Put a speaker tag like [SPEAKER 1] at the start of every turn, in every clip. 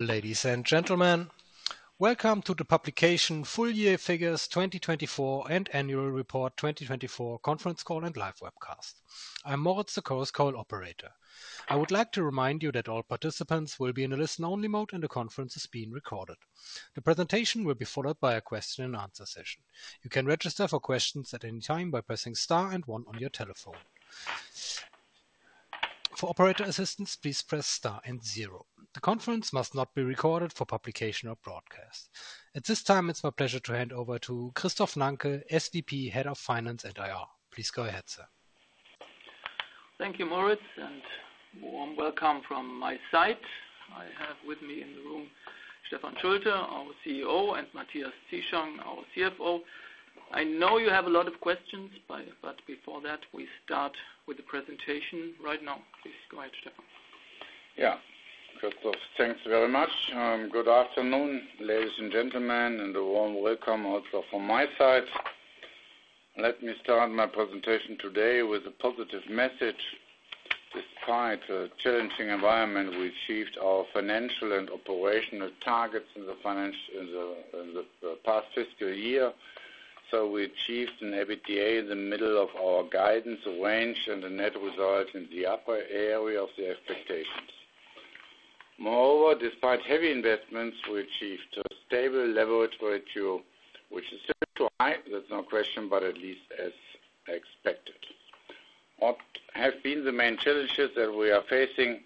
[SPEAKER 1] Ladies and gentlemen, welcome to the Publication Full Year Figures 2024 and Annual Report 2024 conference call and live webcast. I'm Moritz, the conference call operator. I would like to remind you that all participants will be in a listen-only mode and the conference is being recorded. The presentation will be followed by a question-and-answer session. You can register for questions at any time by pressing star and one on your telephone. For operator assistance, please press star and zero. The conference must not be recorded for publication or broadcast. At this time, it's my pleasure to hand over to Christoph Nanke, SVP, Head of Finance and IR. Please go ahead, sir.
[SPEAKER 2] Thank you, Moritz, and warm welcome from my side. I have with me in the room Stefan Schulte, our CEO, and Matthias Zieschang, our CFO. I know you have a lot of questions, but before that, we start with the presentation right now. Please go ahead, Stefan.
[SPEAKER 3] Yeah, Christoph, thanks very much. Good afternoon, ladies and gentlemen, and a warm welcome also from my side. Let me start my presentation today with a positive message. Despite a challenging environment, we achieved our financial and operational targets in the past fiscal year. We achieved an EBITDA in the middle of our guidance range, and the net result is in the upper area of the expectations. Moreover, despite heavy investments, we achieved a stable leverage ratio, which is still too high. That's no question, but at least as expected. What have been the main challenges that we are facing?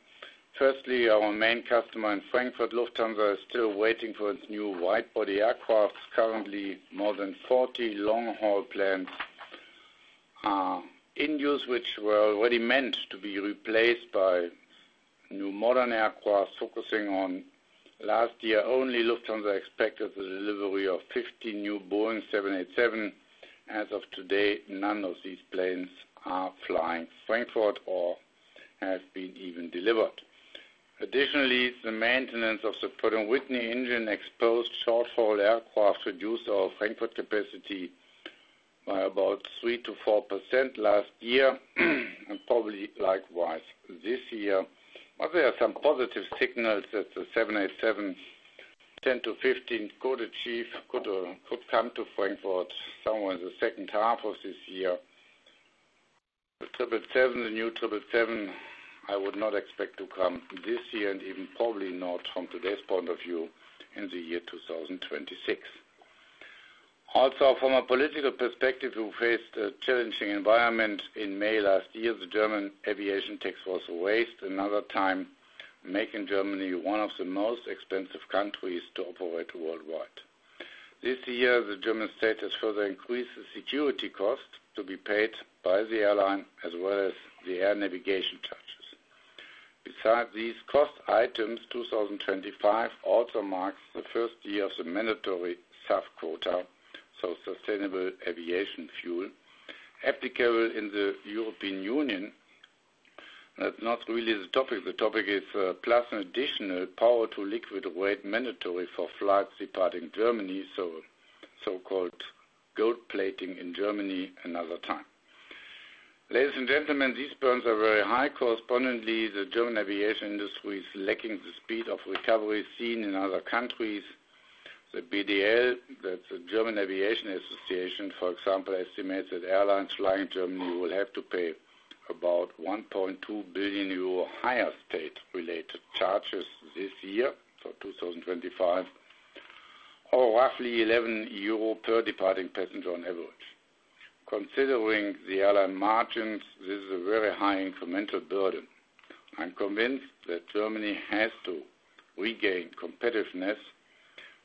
[SPEAKER 3] Firstly, our main customer in Frankfurt, Lufthansa, is still waiting for its new widebody aircraft. Currently, more than 40 long-haul planes are in use, which were already meant to be replaced by new modern aircraft. Focusing on last year only, Lufthansa expected the delivery of 50 new Boeing 787. As of today, none of these planes are flying Frankfurt or have been even delivered. Additionally, the maintenance of the Pratt & Whitney engine exposed short-haul aircraft reduced our Frankfurt capacity by about 3 to 4% last year, and probably likewise this year. There are some positive signals that the 787-10 to 15 could come to Frankfurt somewhere in the second half of this year. The new 777, I would not expect to come this year and even probably not from today's point of view in the year 2026. Also, from a political perspective, we faced a challenging environment. In May last year, the German aviation tax was raised another time, making Germany one of the most expensive countries to operate worldwide. This year, the German state has further increased the security costs to be paid by the airline as well as the air navigation charges. Besides these cost items, 2025 also marks the first year of the mandatory SAF quota, so sustainable aviation fuel, applicable in the European Union. That's not really the topic. The topic is plus an additional power-to-liquid rate mandatory for flights departing Germany, so so-called gold plating in Germany another time. Ladies and gentlemen, these burdens are very high. Correspondingly, the German aviation industry is lacking the speed of recovery seen in other countries. The BDL, that's the German Aviation Association, for example, estimates that airlines flying Germany will have to pay about 1.2 billion euro higher state-related charges this year for 2025, or roughly 11 euro per departing passenger on average. Considering the airline margins, this is a very high incremental burden. I'm convinced that Germany has to regain competitiveness,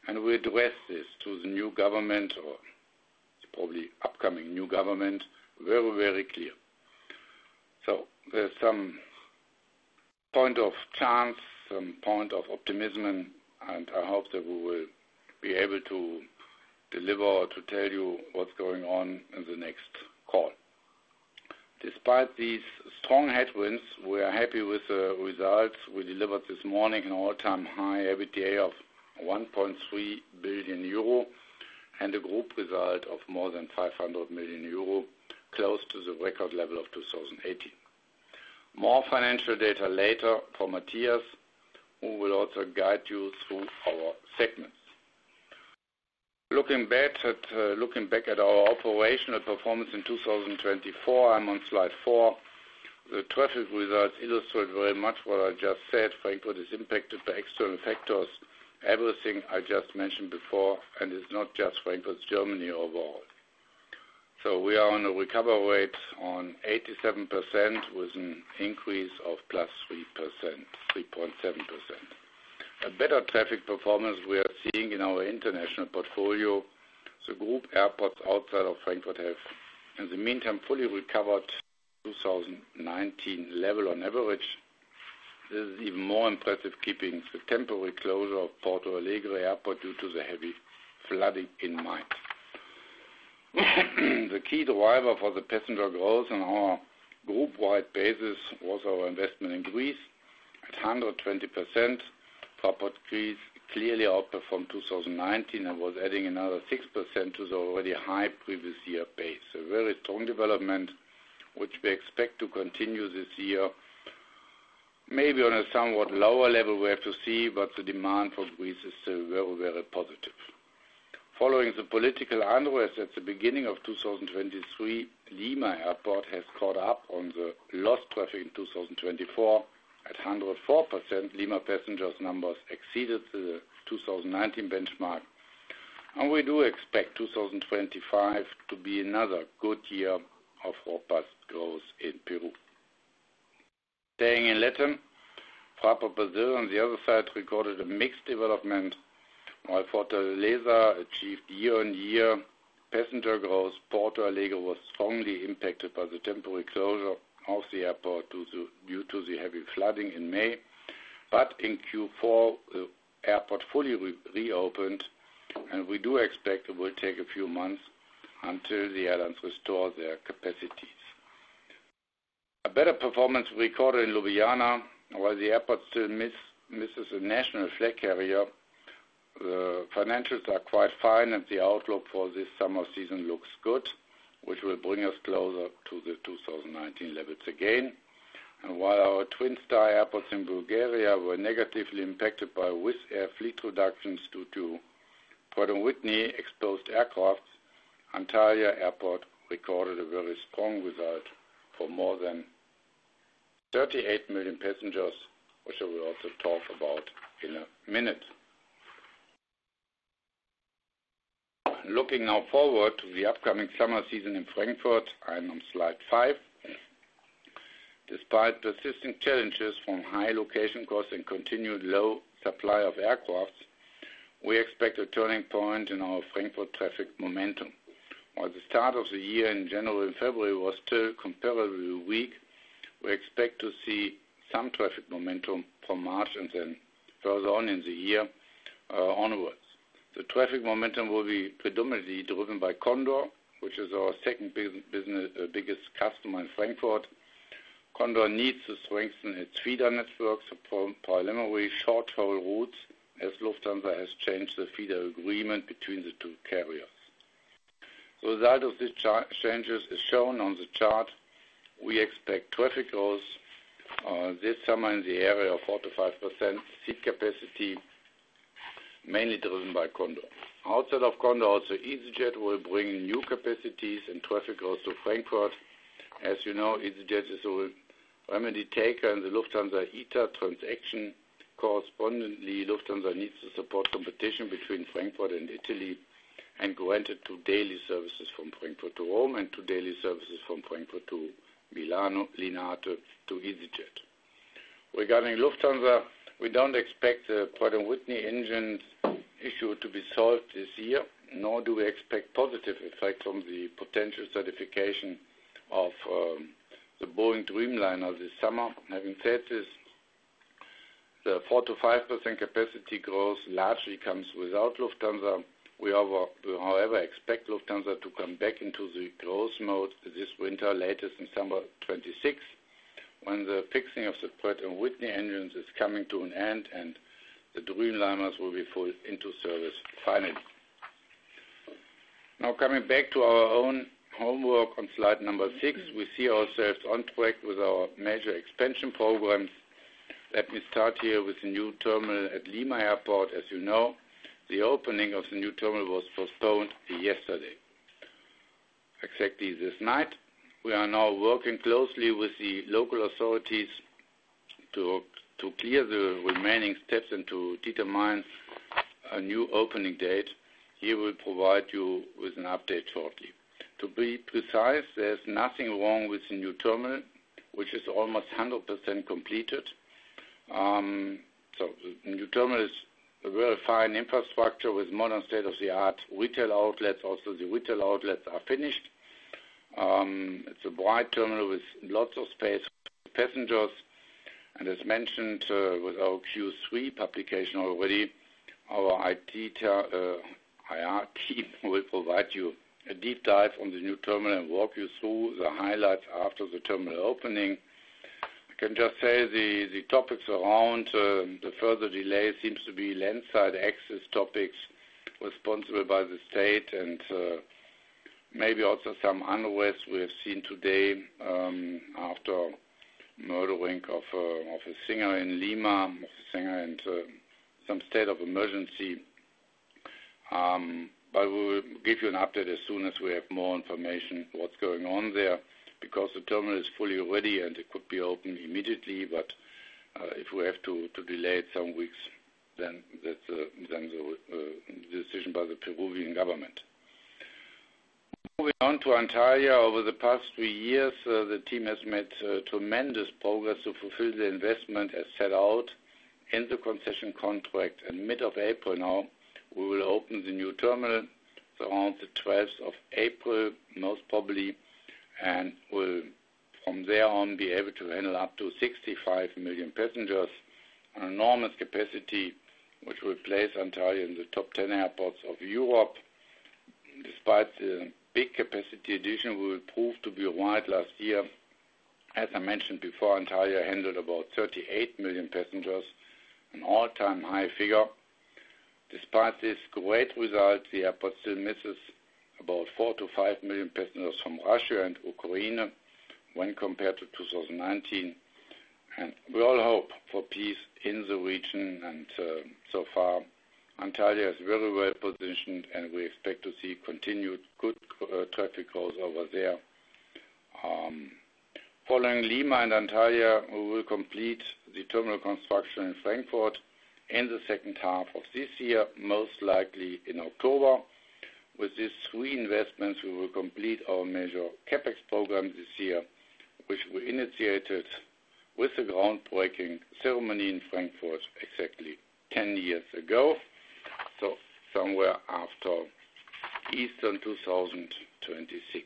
[SPEAKER 3] and we address this through the new government or probably upcoming new government very, very clear. There is some point of chance, some point of optimism, and I hope that we will be able to deliver or to tell you what is going on in the next call. Despite these strong headwinds, we are happy with the results. We delivered this morning an all-time high EBITDA of 1.3 billion euro and a group result of more than 500 million euro, close to the record level of 2018. More financial data later for Matthias, who will also guide you through our segments. Looking back at our operational performance in 2024, I am on slide four. The traffic results illustrate very much what I just said. Frankfurt is impacted by external factors, everything I just mentioned before, and it is not just Frankfurt, it is Germany overall. We are on a recovery rate of 87% with an increase of +3.7%. A better traffic performance we are seeing in our international portfolio. The group airports outside of Frankfurt have, in the meantime, fully recovered 2019 level on average. This is even more impressive, keeping the temporary closure of Porto Alegre Airport due to the heavy flooding in mind. The key driver for the passenger growth on our group-wide basis was our investment in Greece at 120%. Fraport Greece clearly outperformed 2019 and was adding another 6% to the already high previous year base. A very strong development, which we expect to continue this year. Maybe on a somewhat lower level, we have to see, but the demand for Greece is still very, very positive. Following the political unrest at the beginning of 2023, Lima Airport has caught up on the lost traffic in 2024 at 104%. Lima passengers' numbers exceeded the 2019 benchmark, and we do expect 2025 to be another good year of robust growth in Peru. Staying in Latam, Fraport Brazil on the other side recorded a mixed development. While Fortaleza achieved year-on-year passenger growth, Porto Alegre was strongly impacted by the temporary closure of the airport due to the heavy flooding in May. In Q4, the airport fully reopened, and we do expect it will take a few months until the airlines restore their capacities. A better performance recorded in Ljubljana. While the airport still misses a national flag carrier, the financials are quite fine, and the outlook for this summer season looks good, which will bring us closer to the 2019 levels again. While our twin star airports in Bulgaria were negatively impacted by Wizz Air fleet reductions due to Pratt & Whitney exposed aircraft, Antalya Airport recorded a very strong result for more than 38 million passengers, which I will also talk about in a minute. Looking now forward to the upcoming summer season in Frankfurt, I'm on slide five. Despite persistent challenges from high location costs and continued low supply of aircraft, we expect a turning point in our Frankfurt traffic momentum. While the start of the year in general in February was still comparably weak, we expect to see some traffic momentum from March and then further on in the year onwards. The traffic momentum will be predominantly driven by Condor, which is our second biggest customer in Frankfurt. Condor needs to strengthen its feeder networks for primarily short-haul routes, as Lufthansa has changed the feeder agreement between the two carriers. The result of these changes is shown on the chart. We expect traffic growth this summer in the area of 4 to 5% seat capacity, mainly driven by Condor. Outside of Condor, also EasyJet will bring new capacities and traffic growth to Frankfurt. As you know, EasyJet is a remedy taker in the Lufthansa ITA transaction. Correspondingly, Lufthansa needs to support competition between Frankfurt and Italy and grant it two daily services from Frankfurt to Rome and two daily services from Frankfurt to Milano Linate to EasyJet. Regarding Lufthansa, we do not expect the Pratt & Whitney engine issue to be solved this year, nor do we expect positive effects from the potential certification of the Boeing 787 Dreamliner this summer. Having said this, the 4 to 5% capacity growth largely comes without Lufthansa. We however expect Lufthansa to come back into the growth mode this winter, latest in summer 2026, when the fixing of the Pratt & Whitney engines is coming to an end and the Dreamliners will be fully into service finally. Now, coming back to our own homework on slide number six, we see ourselves on track with our major expansion programs. Let me start here with the new terminal at Lima Airport. As you know, the opening of the new terminal was postponed yesterday, exactly this night. We are now working closely with the local authorities to clear the remaining steps and to determine a new opening date. Here we'll provide you with an update shortly. To be precise, there's nothing wrong with the new terminal, which is almost 100% completed. The new terminal is a very fine infrastructure with modern state-of-the-art retail outlets. Also, the retail outlets are finished. It's a bright terminal with lots of space for passengers. As mentioned with our Q3 publication already, our IT IR team will provide you a deep dive on the new terminal and walk you through the highlights after the terminal opening. I can just say the topics around the further delay seem to be landslide access topics responsible by the state and maybe also some unrest we have seen today after the murdering of a singer in Lima, a singer and some state of emergency. We will give you an update as soon as we have more information on what's going on there because the terminal is fully ready and it could be opened immediately. If we have to delay it some weeks, that's the decision by the Peruvian government. Moving on to Antalya, over the past three years, the team has made tremendous progress to fulfill the investment as set out in the concession contract. In mid-April now, we will open the new terminal around the 12th of April, most probably, and will from there on be able to handle up to 65 million passengers, an enormous capacity which will place Antalya in the top 10 airports of Europe. Despite the big capacity addition, we will prove to be right last year. As I mentioned before, Antalya handled about 38 million passengers, an all-time high figure. Despite this great result, the airport still misses about 4 to 5 million passengers from Russia and Ukraine when compared to 2019. We all hope for peace in the region. So far, Antalya is very well positioned, and we expect to see continued good traffic growth over there. Following Lima and Antalya, we will complete the terminal construction in Frankfurt in the second half of this year, most likely in October. With these three investments, we will complete our major CapEx program this year, which we initiated with the groundbreaking ceremony in Frankfurt exactly 10 years ago, so somewhere after Easter 2026.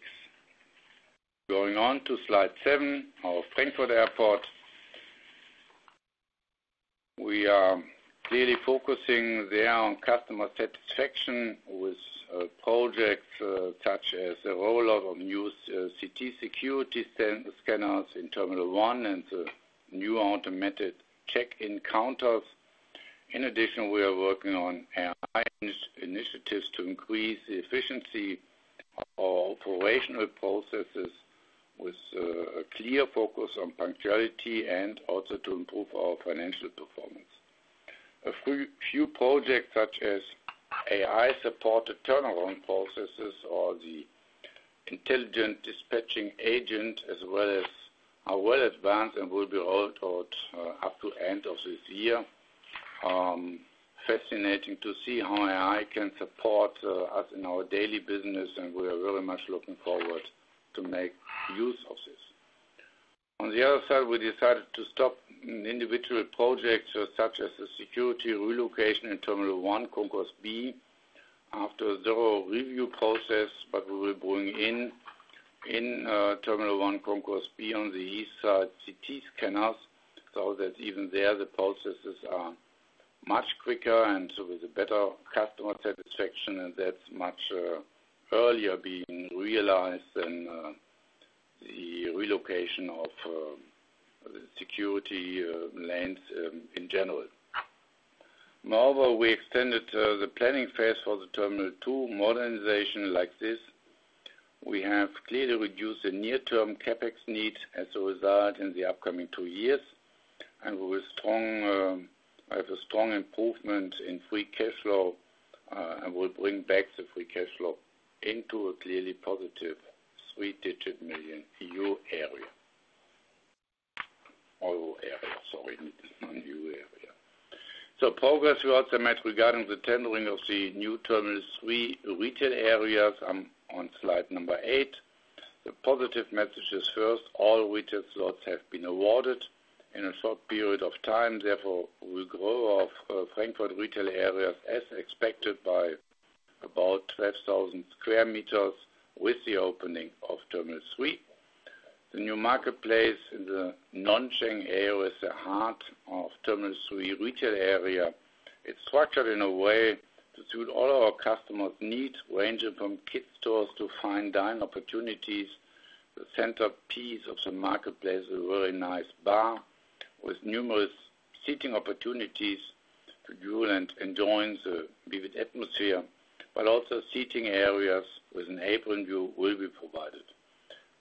[SPEAKER 3] Going on to slide seven, our Frankfurt Airport. We are clearly focusing there on customer satisfaction with projects such as the rollout of new CT security scanners in Terminal 1 and the new automated check-in counters. In addition, we are working on AI initiatives to increase the efficiency of our operational processes with a clear focus on punctuality and also to improve our financial performance. A few projects such as AI-supported turnaround processes or the intelligent dispatching agent as well are well advanced and will be rolled out up to the end of this year. Fascinating to see how AI can support us in our daily business, and we are very much looking forward to make use of this. On the other side, we decided to stop individual projects such as the security relocation in Terminal 1, concourse B, after a thorough review process, but we will bring in Terminal 1, concourse B on the east side CT scanners so that even there the processes are much quicker and with a better customer satisfaction, and that's much earlier being realized than the relocation of security lanes in general. Moreover, we extended the planning phase for the Terminal 2 modernization like this. We have clearly reduced the near-term CapEx needs as a result in the upcoming two years, and we will have a strong improvement in free cash flow and will bring back the free cash flow into a clearly positive three-digit million EUR area. Sorry, not new area. Progress we also met regarding the tendering of the new Terminal 3 retail areas. I'm on slide number eight. The positive message is first, all retail slots have been awarded in a short period of time. Therefore, we'll grow our Frankfurt retail areas as expected by about 12,000 sq m with the opening of Terminal 3. The new marketplace in the Nansheng area is the heart of Terminal 3 retail area. It's structured in a way to suit all our customers' needs, ranging from kids' stores to fine dining opportunities. The centerpiece of the marketplace is a very nice bar with numerous seating opportunities to enjoy and enjoy the vivid atmosphere, but also seating areas with an apron view will be provided.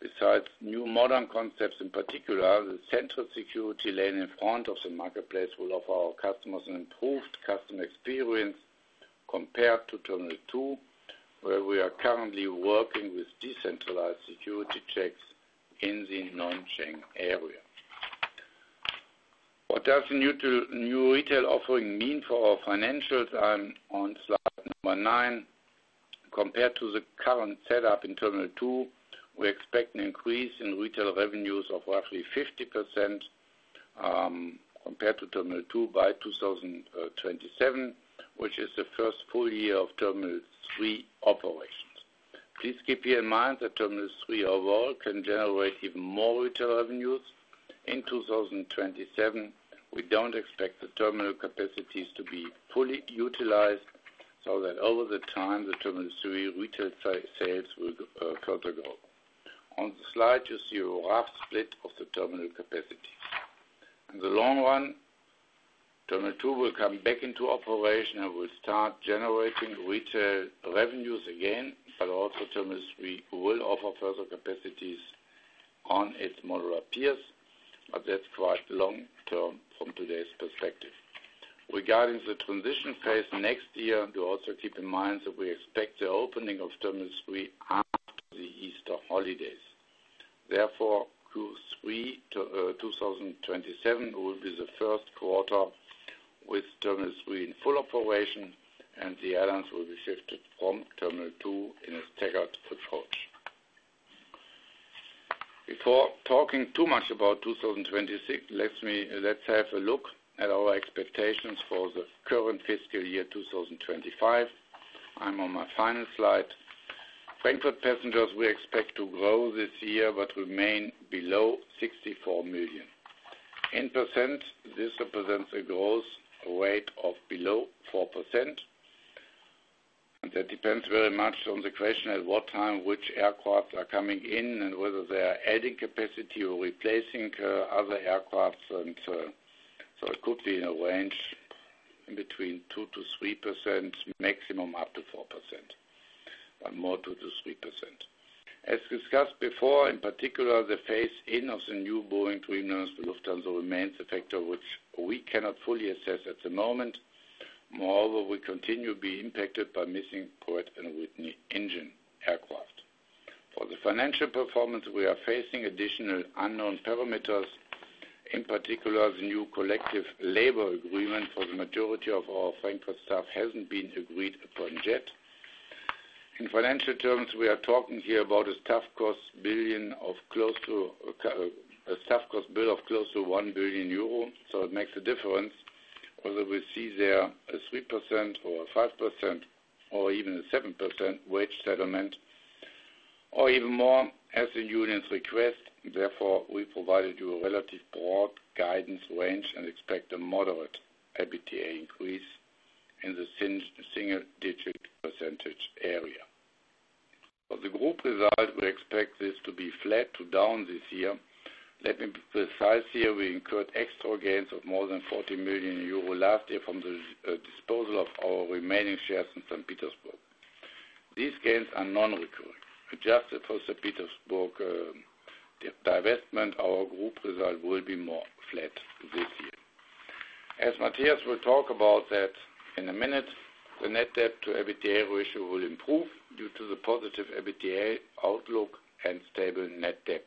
[SPEAKER 3] Besides new modern concepts, in particular, the central security lane in front of the marketplace will offer our customers an improved customer experience compared to Terminal 2, where we are currently working with decentralized security checks in the Nansheng area. What does the new retail offering mean for our financials? I'm on slide number nine. Compared to the current setup in Terminal 2, we expect an increase in retail revenues of roughly 50% compared to Terminal 2 by 2027, which is the first full year of Terminal 3 operations. Please keep in mind that Terminal 3 overall can generate even more retail revenues in 2027. We don't expect the terminal capacities to be fully utilized so that over the time, the Terminal 3 retail sales will further grow. On the slide, you see a rough split of the terminal capacity. In the long run, Terminal 2 will come back into operation and will start generating retail revenues again, but also Terminal 3 will offer further capacities on its moderate peers. That is quite long-term from today's perspective. Regarding the transition phase next year, do also keep in mind that we expect the opening of Terminal 3 after the Easter holidays. Therefore, Q3 2027 will be the first quarter with Terminal 3 in full operation, and the airlines will be shifted from Terminal 2 in a staggered approach. Before talking too much about 2026, let's have a look at our expectations for the current fiscal year 2025. I'm on my final slide. Frankfurt passengers we expect to grow this year but remain below 64 million. In percent, this represents a growth rate of below 4%. That depends very much on the question at what time which aircraft are coming in and whether they are adding capacity or replacing other aircraft. It could be in a range between 2 to 3%, maximum up to 4%, but more 2 to 3%. As discussed before, in particular, the phase-in of the new Boeing 787 Dreamliners to Lufthansa remains a factor which we cannot fully assess at the moment. Moreover, we continue to be impacted by missing Pratt & Whitney engine aircraft. For the financial performance, we are facing additional unknown parameters. In particular, the new collective labor agreement for the majority of our Frankfurt staff hasn't been agreed upon yet. In financial terms, we are talking here about a tough cost bill of close to 1 billion euro. It makes a difference whether we see there a 3% or a 5% or even a 7% wage settlement or even more as the union's request. Therefore, we provided you a relatively broad guidance range and expect a moderate EBITDA increase in the single-digit percentage area. For the group result, we expect this to be flat to down this year. Let me precise here, we incurred extra gains of more than 40 million euro last year from the disposal of our remaining shares in St. Petersburg. These gains are non-recurring. Adjusted for St. Petersburg divestment, our group result will be more flat this year. As Matthias will talk about that in a minute, the net debt to EBITDA ratio will improve due to the positive EBITDA outlook and stable net debt.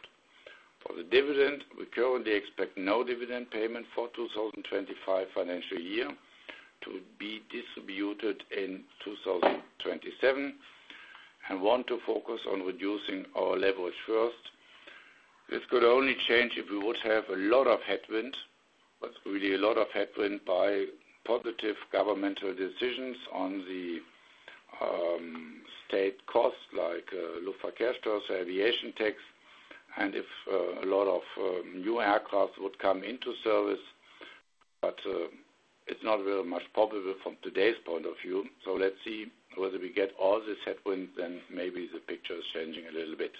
[SPEAKER 3] For the dividend, we currently expect no dividend payment for the 2025 financial year to be distributed in 2027 and want to focus on reducing our leverage first. This could only change if we would have a lot of headwind, but really a lot of headwind by positive governmental decisions on the state costs like Luftfahrtgäste, so aviation tax, and if a lot of new aircraft would come into service. It is not very much probable from today's point of view. Let's see whether we get all this headwind, then maybe the picture is changing a little bit.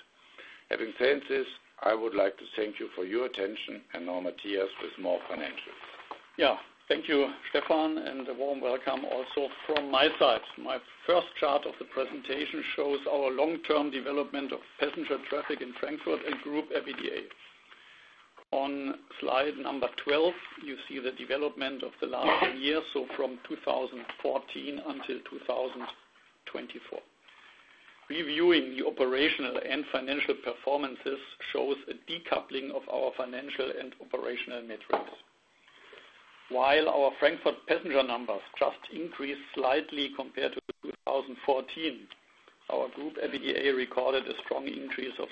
[SPEAKER 3] Having said this, I would like to thank you for your attention and now Matthias with more financials.
[SPEAKER 4] Yeah, thank you, Stefan, and a warm welcome also from my side. My first chart of the presentation shows our long-term development of passenger traffic in Frankfurt and group EBITDA. On slide number 12, you see the development of the last year, so from 2014 until 2024. Reviewing the operational and financial performances shows a decoupling of our financial and operational metrics. While our Frankfurt passenger numbers just increased slightly compared to 2014, our group EBITDA recorded a strong increase of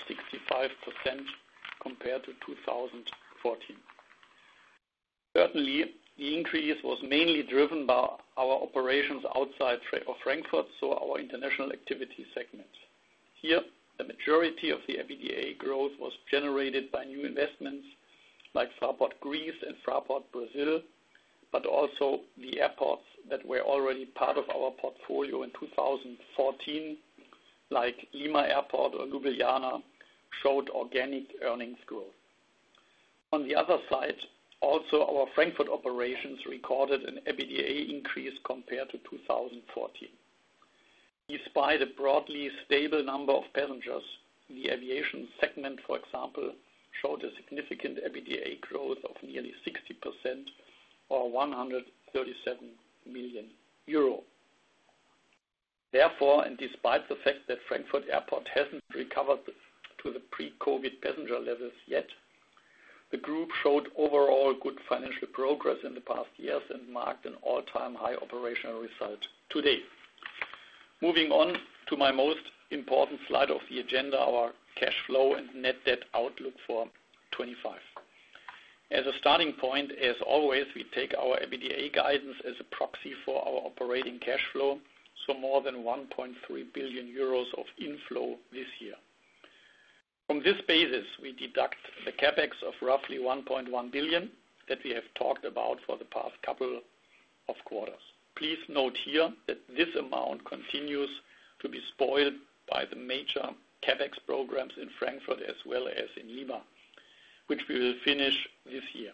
[SPEAKER 4] 65% compared to 2014. Certainly, the increase was mainly driven by our operations outside of Frankfurt, so our international activity segments. Here, the majority of the EBITDA growth was generated by new investments like Fraport Greece and Fraport Brazil, but also the airports that were already part of our portfolio in 2014, like Lima Airport or Ljubljana, showed organic earnings growth. On the other side, also our Frankfurt operations recorded an EBITDA increase compared to 2014. Despite a broadly stable number of passengers, the aviation segment, for example, showed a significant EBITDA growth of nearly 60% or 137 million euro. Therefore, and despite the fact that Frankfurt Airport has not recovered to the pre-COVID passenger levels yet, the group showed overall good financial progress in the past years and marked an all-time high operational result today. Moving on to my most important slide of the agenda, our cash flow and net debt outlook for 2025. As a starting point, as always, we take our EBITDA guidance as a proxy for our operating cash flow, so more than 1.3 billion euros of inflow this year. From this basis, we deduct the CAPEX of roughly 1.1 billion that we have talked about for the past couple of quarters. Please note here that this amount continues to be spoiled by the major CapEx programs in Frankfurt as well as in Lima, which we will finish this year.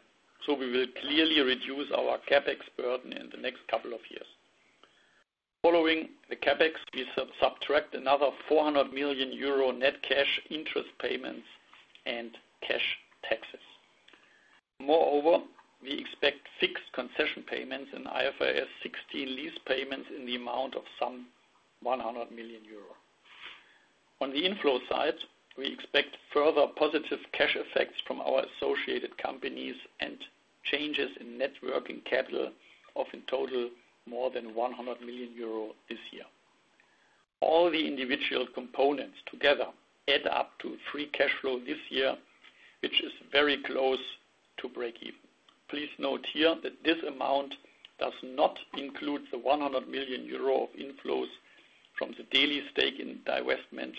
[SPEAKER 4] We will clearly reduce our CapEx burden in the next couple of years. Following the CapEx, we subtract another 400 million euro net cash interest payments and cash taxes. Moreover, we expect fixed concession payments and IFRS 16 lease payments in the amount of some 100 million euro. On the inflow side, we expect further positive cash effects from our associated companies and changes in networking capital, of in total more than 100 million euro this year. All the individual components together add up to free cash flow this year, which is very close to break-even. Please note here that this amount does not include the 100 million euro of inflows from the daily stake in divestment,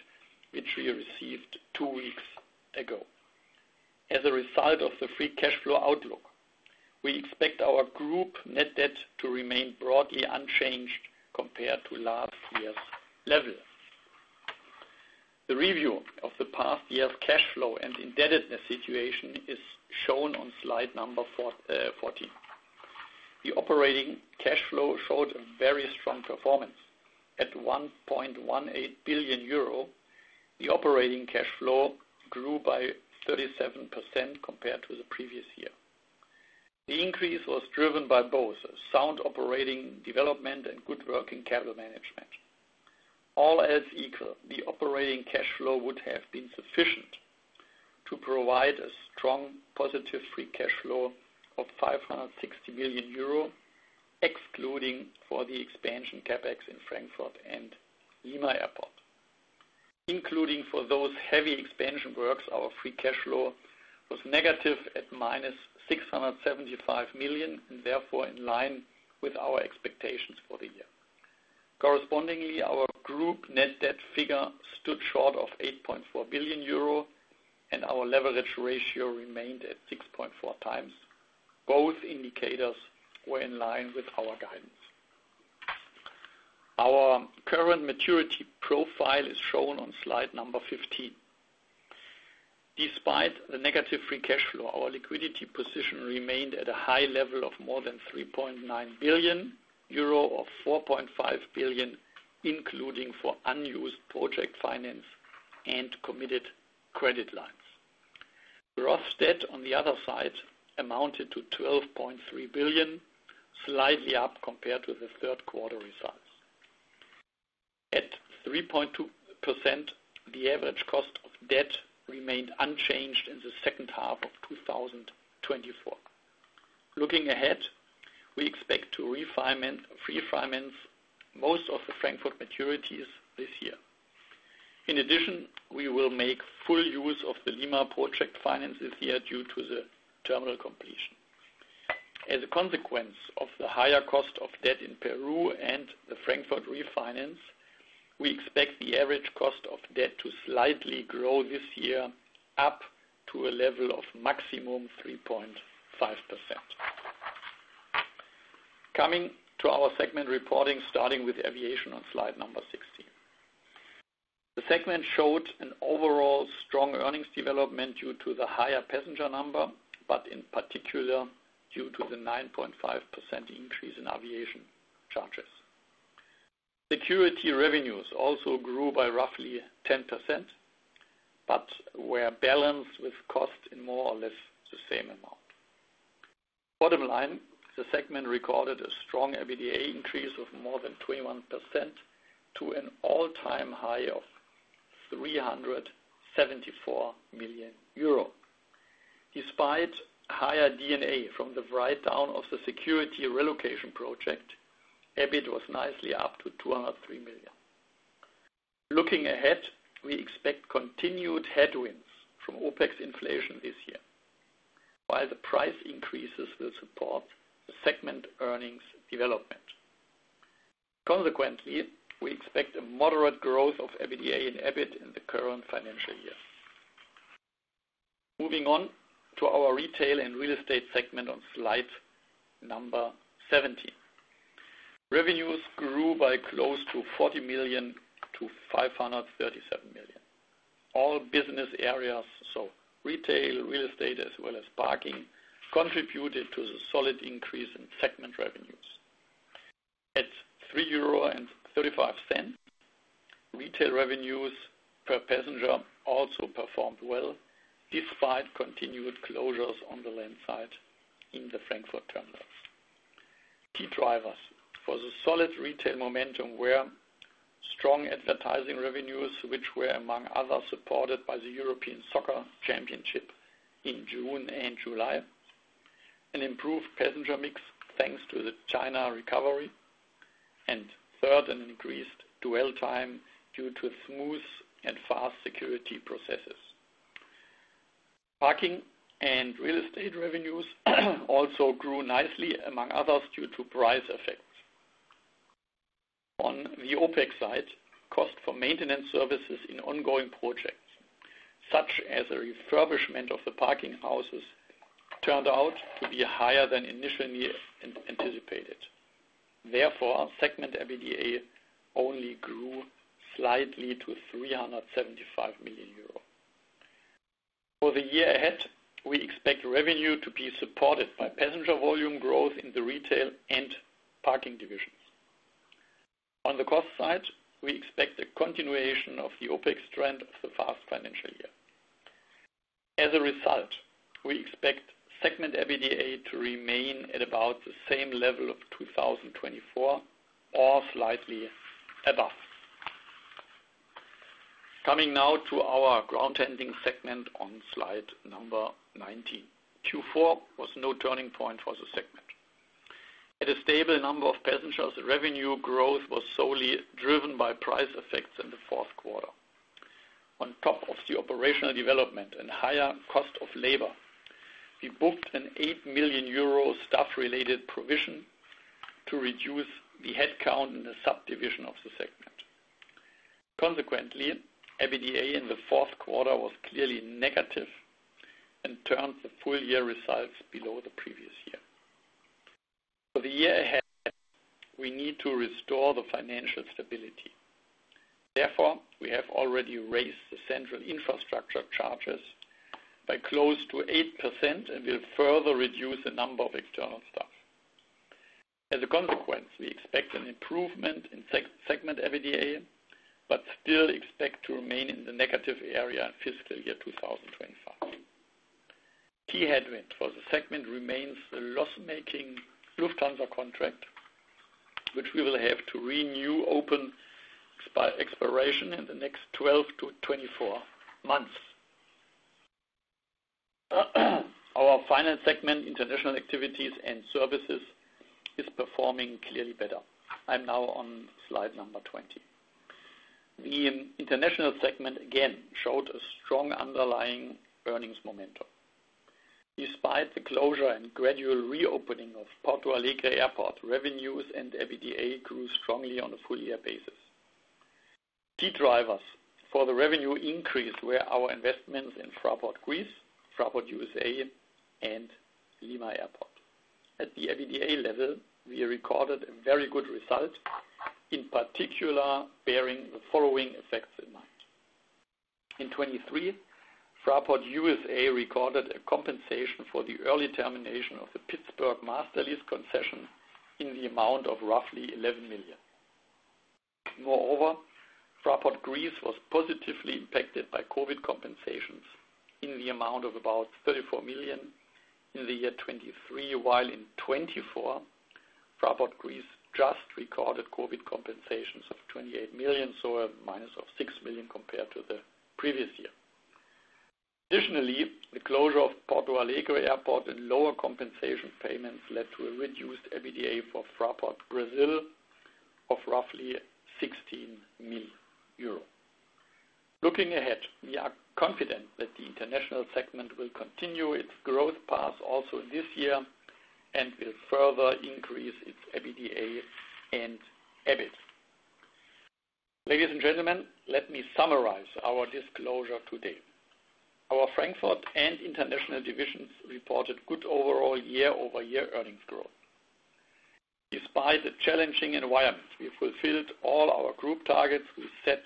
[SPEAKER 4] which we received two weeks ago. As a result of the free cash flow outlook, we expect our group net debt to remain broadly unchanged compared to last year's level. The review of the past year's cash flow and indebtedness situation is shown on slide number 14. The operating cash flow showed a very strong performance. At 1.18 billion euro, the operating cash flow grew by 37% compared to the previous year. The increase was driven by both sound operating development and good working capital management. All else equal, the operating cash flow would have been sufficient to provide a strong positive free cash flow of 560 million euro, excluding for the expansion CapEx in Frankfurt and Lima Airport. Including for those heavy expansion works, our free cash flow was negative at 675 million and therefore in line with our expectations for the year. Correspondingly, our group net debt figure stood short of 8.4 billion euro, and our leverage ratio remained at 6.4 times. Both indicators were in line with our guidance. Our current maturity profile is shown on slide number 15. Despite the negative free cash flow, our liquidity position remained at a high level of more than 3.9 billion euro or 4.5 billion, including for unused project finance and committed credit lines. Gross debt, on the other side, amounted to 12.3 billion, slightly up compared to the third quarter results. At 3.2%, the average cost of debt remained unchanged in the second half of 2024. Looking ahead, we expect to refinance most of the Frankfurt maturities this year. In addition, we will make full use of the Lima project finance this year due to the terminal completion. As a consequence of the higher cost of debt in Peru and the Frankfurt refinance, we expect the average cost of debt to slightly grow this year up to a level of maximum 3.5%. Coming to our segment reporting, starting with aviation on slide number 16. The segment showed an overall strong earnings development due to the higher passenger number, but in particular due to the 9.5% increase in aviation charges. Security revenues also grew by roughly 10%, but were balanced with costs in more or less the same amount. Bottom line, the segment recorded a strong EBITDA increase of more than 21% to an all-time high of 374 million euro. Despite higher DNA from the write-down of the security relocation project, EBIT was nicely up to 203 million. Looking ahead, we expect continued headwinds from OPEX inflation this year. While the price increases will support the segment earnings development. Consequently, we expect a moderate growth of EBITDA and EBIT in the current financial year. Moving on to our retail and real estate segment on slide number 17. Revenues grew by close to 40 million to 537 million. All business areas, so retail, real estate, as well as parking, contributed to the solid increase in segment revenues. At 3.35 euro, retail revenues per passenger also performed well despite continued closures on the land side in the Frankfurt terminals. Key drivers for the solid retail momentum were strong advertising revenues, which were, among others, supported by the European Soccer Championship in June and July, an improved passenger mix thanks to the China recovery, and third, an increased dwell time due to smooth and fast security processes. Parking and real estate revenues also grew nicely, among others, due to price effects. On the OPEX side, cost for maintenance services in ongoing projects, such as a refurbishment of the parking houses, turned out to be higher than initially anticipated. Therefore, segment EBITDA only grew slightly to 375 million euro. For the year ahead, we expect revenue to be supported by passenger volume growth in the retail and parking divisions. On the cost side, we expect a continuation of the OPEX trend of the past financial year. As a result, we expect segment EBITDA to remain at about the same level of 2024 or slightly above. Coming now to our ground handling segment on slide number 19. Q4 was no turning point for the segment. At a stable number of passengers, revenue growth was solely driven by price effects in the fourth quarter. On top of the operational development and higher cost of labor, we booked an 8 million euro staff-related provision to reduce the headcount in the subdivision of the segment. Consequently, EBITDA in the fourth quarter was clearly negative and turned the full year results below the previous year. For the year ahead, we need to restore the financial stability. Therefore, we have already raised the central infrastructure charges by close to 8% and will further reduce the number of external staff. As a consequence, we expect an improvement in segment EBITDA, but still expect to remain in the negative area in fiscal year 2025. Key headwind for the segment remains the loss-making Lufthansa contract, which we will have to renew upon expiration in the next 12 to 24 months. Our final segment, international activities and services, is performing clearly better. I'm now on slide number 20. The international segment again showed a strong underlying earnings momentum. Despite the closure and gradual reopening of Porto Alegre Airport, revenues and EBITDA grew strongly on a full year basis. Key drivers for the revenue increase were our investments in Fraport Greece, Fraport USA, and Lima Airport. At the EBITDA level, we recorded a very good result, in particular bearing the following effects in mind. In 2023, Fraport USA recorded a compensation for the early termination of the Pittsburgh Masterlease concession in the amount of roughly 11 million. Moreover, Fraport Greece was positively impacted by COVID compensations in the amount of about 34 million in the year 2023, while in 2024, Fraport Greece just recorded COVID compensations of 28 million, so a minus of 6 million compared to the previous year. Additionally, the closure of Porto Alegre Airport and lower compensation payments led to a reduced EBITDA for Fraport Brazil of roughly 16 million euro. Looking ahead, we are confident that the international segment will continue its growth path also this year and will further increase its EBITDA and EBIT. Ladies and gentlemen, let me summarize our disclosure today. Our Frankfurt and international divisions reported good overall year-over-year earnings growth. Despite the challenging environment, we fulfilled all our group targets we set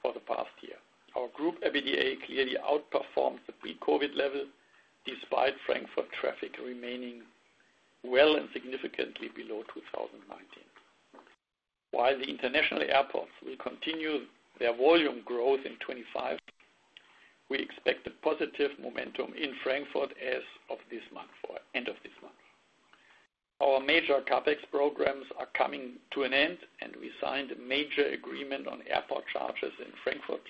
[SPEAKER 4] for the past year. Our group EBITDA clearly outperformed the pre-COVID level, despite Frankfurt traffic remaining well and significantly below 2019. While the international airports will continue their volume growth in 2025, we expect a positive momentum in Frankfurt as of this month or end of this month. Our major CapEx programs are coming to an end, and we signed a major agreement on airport charges in Frankfurt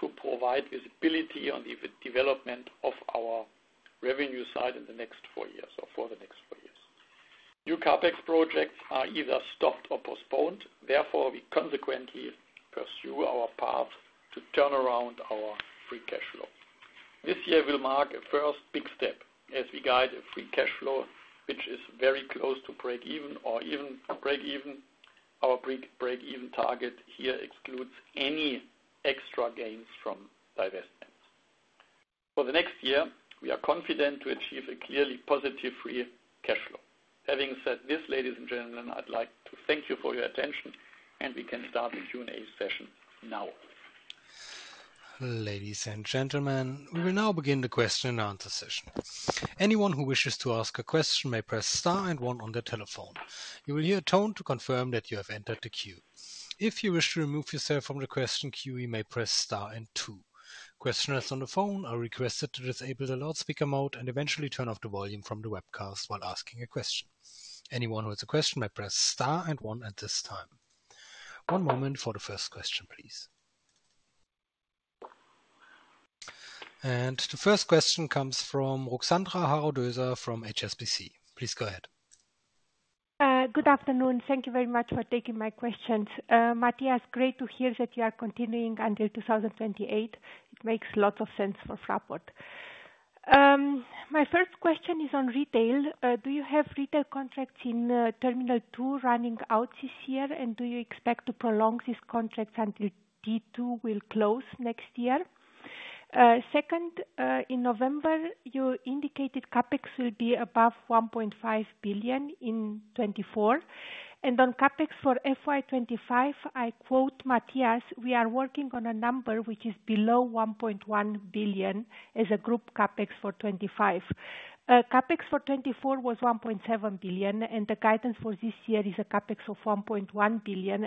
[SPEAKER 4] to provide visibility on the development of our revenue side in the next four years or for the next four years. New CapEx projects are either stopped or postponed. Therefore, we consequently pursue our path to turn around our free cash flow. This year will mark a first big step as we guide a free cash flow, which is very close to break-even or even break-even. Our break-even target here excludes any extra gains from divestments. For the next year, we are confident to achieve a clearly positive free cash flow. Having said this, ladies and gentlemen, I'd like to thank you for your attention, and we can start the Q&A session now.
[SPEAKER 1] Ladies and gentlemen, we will now begin the question and answer session. Anyone who wishes to ask a question may press star and one on their telephone. You will hear a tone to confirm that you have entered the queue. If you wish to remove yourself from the question queue, you may press star and two. Questioners on the phone are requested to disable the loudspeaker mode and eventually turn off the volume from the webcast while asking a question. Anyone who has a question may press star and one at this time. One moment for the first question, please. The first question comes from Ruxandra Haradau-Doser from HSBC. Please go ahead.
[SPEAKER 5] Good afternoon. Thank you very much for taking my questions. Matthias, great to hear that you are continuing until 2028. It makes lots of sense for Fraport. My first question is on retail. Do you have retail contracts in Terminal 2 running out this year, and do you expect to prolong these contracts until T2 will close next year? Second, in November, you indicated CapEx will be above 1.5 billion in 2024. On CapEx for FY2025, I quote Matthias, we are working on a number which is below 1.1 billion as a group CapEx for 2025. CapEx for 2024 was 1.7 billion, and the guidance for this year is a CapEx of 1.1 billion.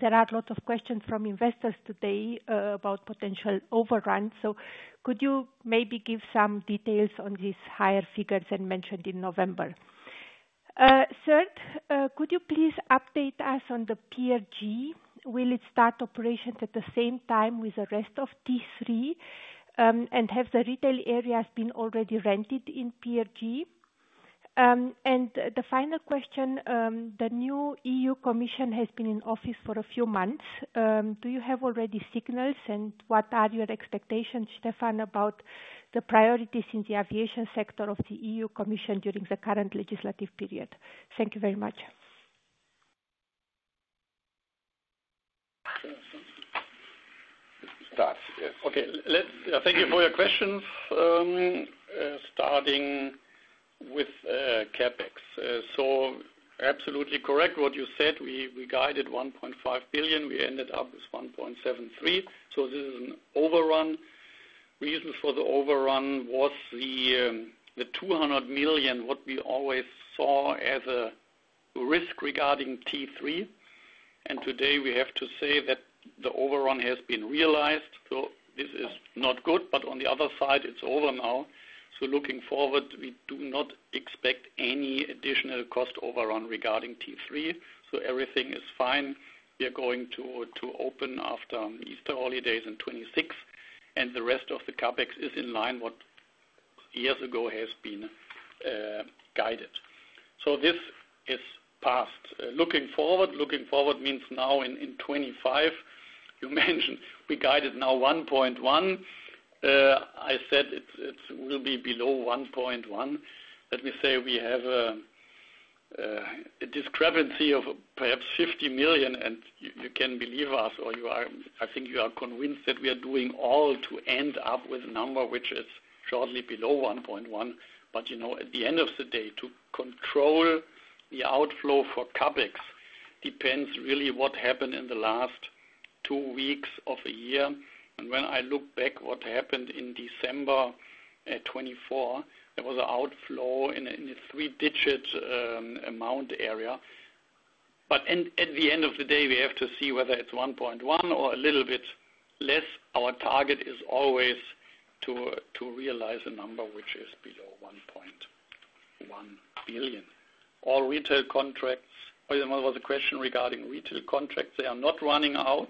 [SPEAKER 5] There are lots of questions from investors today about potential overrun. Could you maybe give some details on these higher figures than mentioned in November? Third, could you please update us on the PRG? Will it start operations at the same time with the rest of T3, and have the retail areas been already rented in PRG? The final question, the new EU Commission has been in office for a few months. Do you have already signals, and what are your expectations, Stefan, about the priorities in the aviation sector of the EU Commission during the current legislative period? Thank you very much.
[SPEAKER 4] Start. Okay. Thank you for your questions. Starting with CapEx. Absolutely correct what you said. We guided 1.5 billion. We ended up with 1.73 billion. This is an overrun. The reason for the overrun was the 200 million, what we always saw as a risk regarding T3. Today, we have to say that the overrun has been realized. This is not good, but on the other side, it's over now. Looking forward, we do not expect any additional cost overrun regarding T3. Everything is fine. We are going to open after Easter holidays in 2026, and the rest of the CapEx is in line with what years ago has been guided. This is past. Looking forward, looking forward means now in 2025, you mentioned we guided now 1.1. I said it will be below 1.1. Let me say we have a discrepancy of perhaps 50 million, and you can believe us, or I think you are convinced that we are doing all to end up with a number which is shortly below 1.1. At the end of the day, to control the outflow for CapEx depends really on what happened in the last two weeks of a year. When I look back at what happened in December 2024, there was an outflow in a three-digit amount area. At the end of the day, we have to see whether it's 1.1 or a little bit less. Our target is always to realize a number which is below 1.1 billion. All retail contracts was a question regarding retail contracts. They are not running out.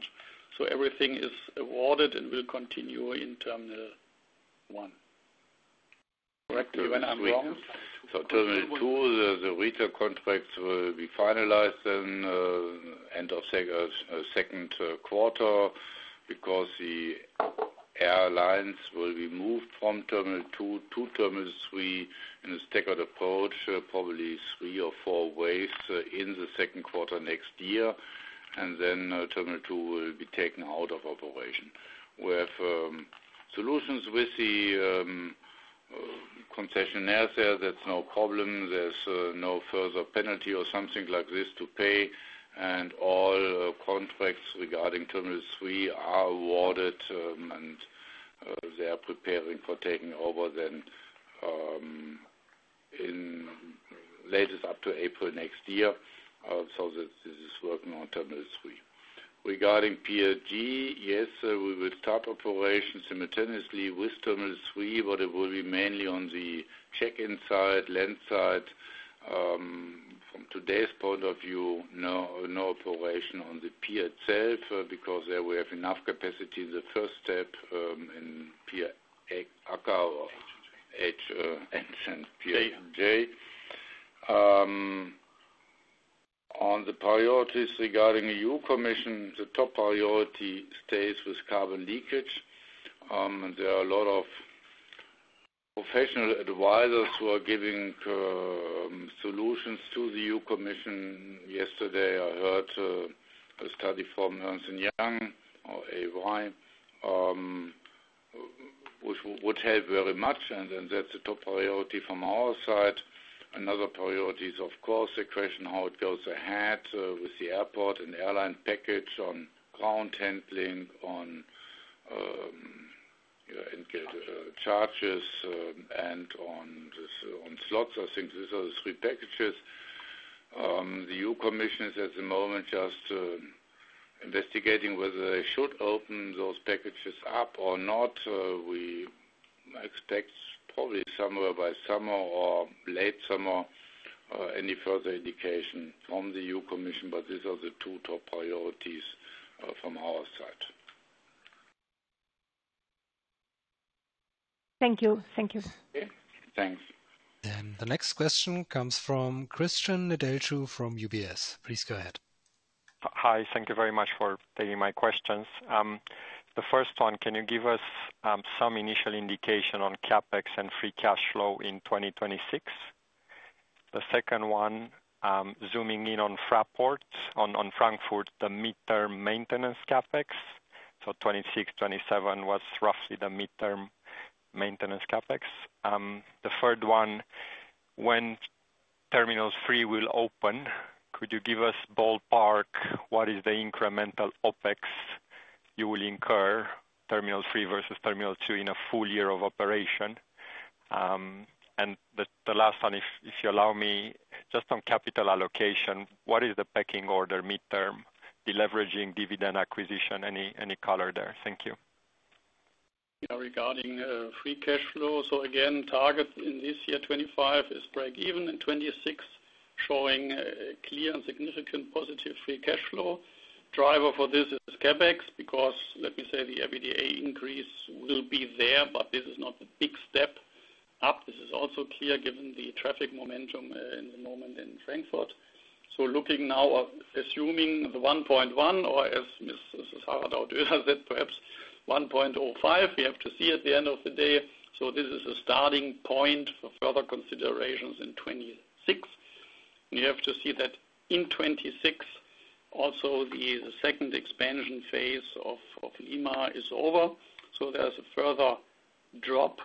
[SPEAKER 4] Everything is awarded and will continue in Terminal 1.
[SPEAKER 3] Correct me when I'm wrong. Terminal 2, the retail contracts will be finalized in end of second quarter because the airlines will be moved from Terminal 2 to Terminal 3 in a staggered approach, probably three or four waves in the second quarter next year. Terminal 2 will be taken out of operation. We have solutions with the concessionaire there. That's no problem. There's no further penalty or something like this to pay. All contracts regarding Terminal 3 are awarded, and they are preparing for taking over then latest up to April next year. This is working on Terminal 3. Regarding PRG, yes, we will start operations simultaneously with Terminal 3, but it will be mainly on the check-in side, land side. From today's point of view, no operation on the pier itself because there we have enough capacity in the first step in pier ACA or HNJ. On the priorities regarding the EU Commission, the top priority stays with carbon leakage. There are a lot of professional advisors who are giving solutions to the EU Commission. Yesterday, I heard a study from Ernst & Young or EY, which would help very much. That is the top priority from our side. Another priority is, of course, the question how it goes ahead with the airport and airline package on ground handling, on charges, and on slots. I think these are the three packages. The EU Commission is at the moment just investigating whether they should open those packages up or not. We expect probably somewhere by summer or late summer, any further indication from the EU Commission, but these are the two top priorities from our side.
[SPEAKER 5] Thank you. Thank you.
[SPEAKER 3] Thanks.
[SPEAKER 1] The next question comes from Christian Nedelcu from UBS. Please go ahead.
[SPEAKER 6] Hi. Thank you very much for taking my questions. The first one, can you give us some initial indication on CapEx and free cash flow in 2026? The second one, zooming in on Fraport on Frankfurt, the midterm maintenance CapEx. So 2026, 2027 was roughly the midterm maintenance CapEx. The third one, when Terminal 3 will open, could you give us ballpark what is the incremental OPEX you will incur, Terminal 3 versus Terminal 2 in a full year of operation? The last one, if you allow me, just on capital allocation, what is the pecking order midterm, deleveraging, dividend, acquisition, any color there? Thank you.
[SPEAKER 4] Regarding free cash flow, again, target in this year 2025 is break-even, in 2026 showing clear and significant positive free cash flow. Driver for this is CAPEX because, let me say, the EBITDA increase will be there, but this is not a big step up. This is also clear given the traffic momentum in the moment in Frankfurt. Looking now, assuming the 1.1, or as Mr. Matthias Zieschang said, perhaps 1.05, we have to see at the end of the day. This is a starting point for further considerations in 2026. You have to see that in 2026, also the second expansion phase of Lima is over. There is a further drop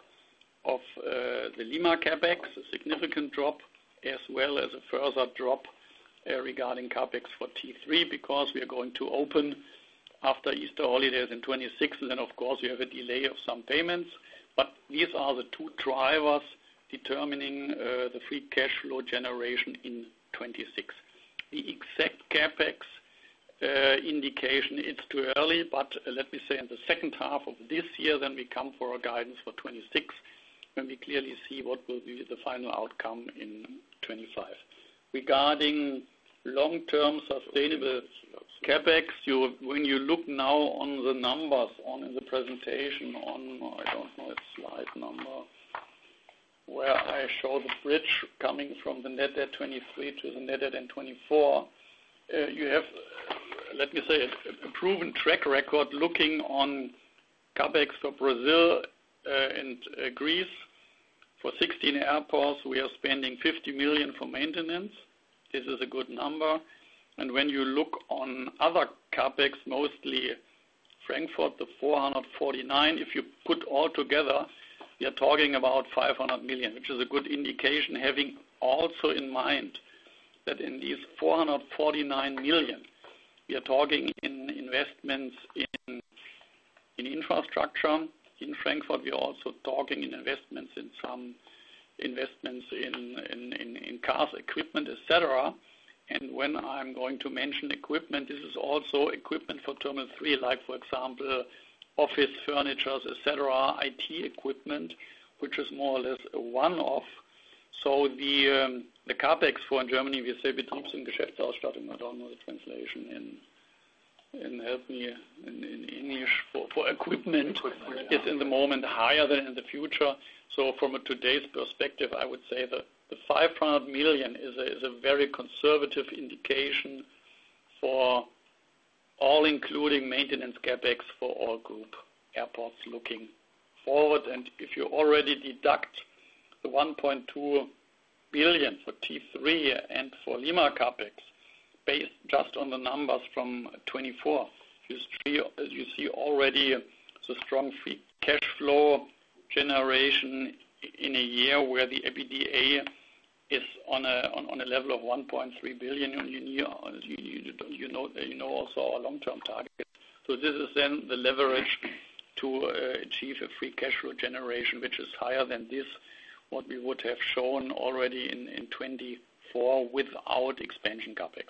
[SPEAKER 4] of the Lima CapEx, a significant drop, as well as a further drop regarding CapEx for T3 because we are going to open after Easter holidays in 2026. Of course, we have a delay of some payments. These are the two drivers determining the free cash flow generation in 2026. The exact CapEx indication, it's too early, but let me say in the second half of this year, then we come for a guidance for 2026 when we clearly see what will be the final outcome in 2025. Regarding long-term sustainable CapEx, when you look now on the numbers in the presentation on, I don't know its slide number, where I show the bridge coming from the net at 2023 to the net at 2024, you have, let me say, a proven track record looking on CapEx for Brazil and Greece. For 16 airports, we are spending 50 million for maintenance. This is a good number. When you look on other CapEx, mostly Frankfurt, the 449 million, if you put all together, you're talking about 500 million, which is a good indication, having also in mind that in these 449 million, we are talking in investments in infrastructure in Frankfurt. We are also talking in investments in some investments in cars, equipment, etc. When I'm going to mention equipment, this is also equipment for Terminal 3, like, for example, office furniture, etc., IT equipment, which is more or less one-off. The CapEx for Germany, we say, I do not know the translation and help me in English for equipment, is in the moment higher than in the future. From today's perspective, I would say the 500 million is a very conservative indication for all-including maintenance CapEx for all group airports looking forward. If you already deduct the 1.2 billion for T3 and for Lima CapEx, based just on the numbers from 2024, you see already the strong free cash flow generation in a year where the EBITDA is on a level of 1.3 billion. You know also our long-term target. This is then the leverage to achieve a free cash flow generation, which is higher than this, what we would have shown already in 2024 without expansion CapEx.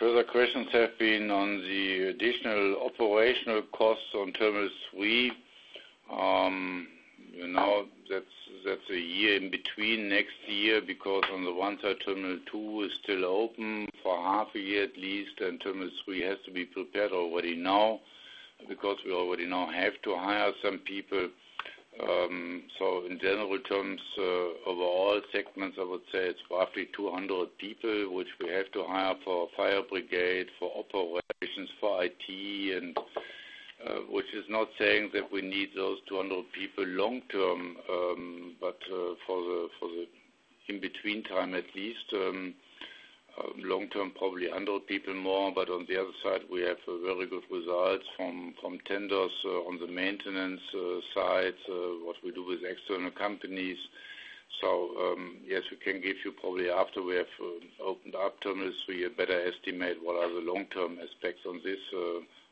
[SPEAKER 3] Further questions have been on the additional operational costs on Terminal 3. That's a year in between next year because on the one side, Terminal 2 is still open for half a year at least, and Terminal 3 has to be prepared already now because we already now have to hire some people. In general terms, overall segments, I would say it's roughly 200 people, which we have to hire for fire brigade, for operations, for IT, which is not saying that we need those 200 people long-term, but for the in-between time at least, long-term probably 100 people more. On the other side, we have very good results from tenders on the maintenance side, what we do with external companies. Yes, we can give you probably after we have opened up Terminal 3, a better estimate what are the long-term aspects on this.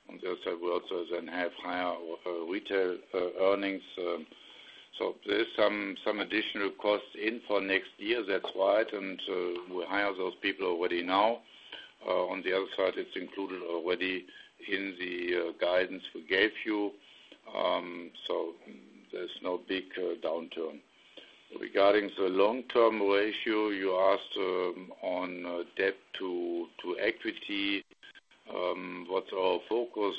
[SPEAKER 3] On the other side, we also then have higher retail earnings. There are some additional costs in for next year. That's right. We hire those people already now. On the other side, it's included already in the guidance we gave you. There is no big downturn. Regarding the long-term ratio, you asked on debt to equity, what's our focus?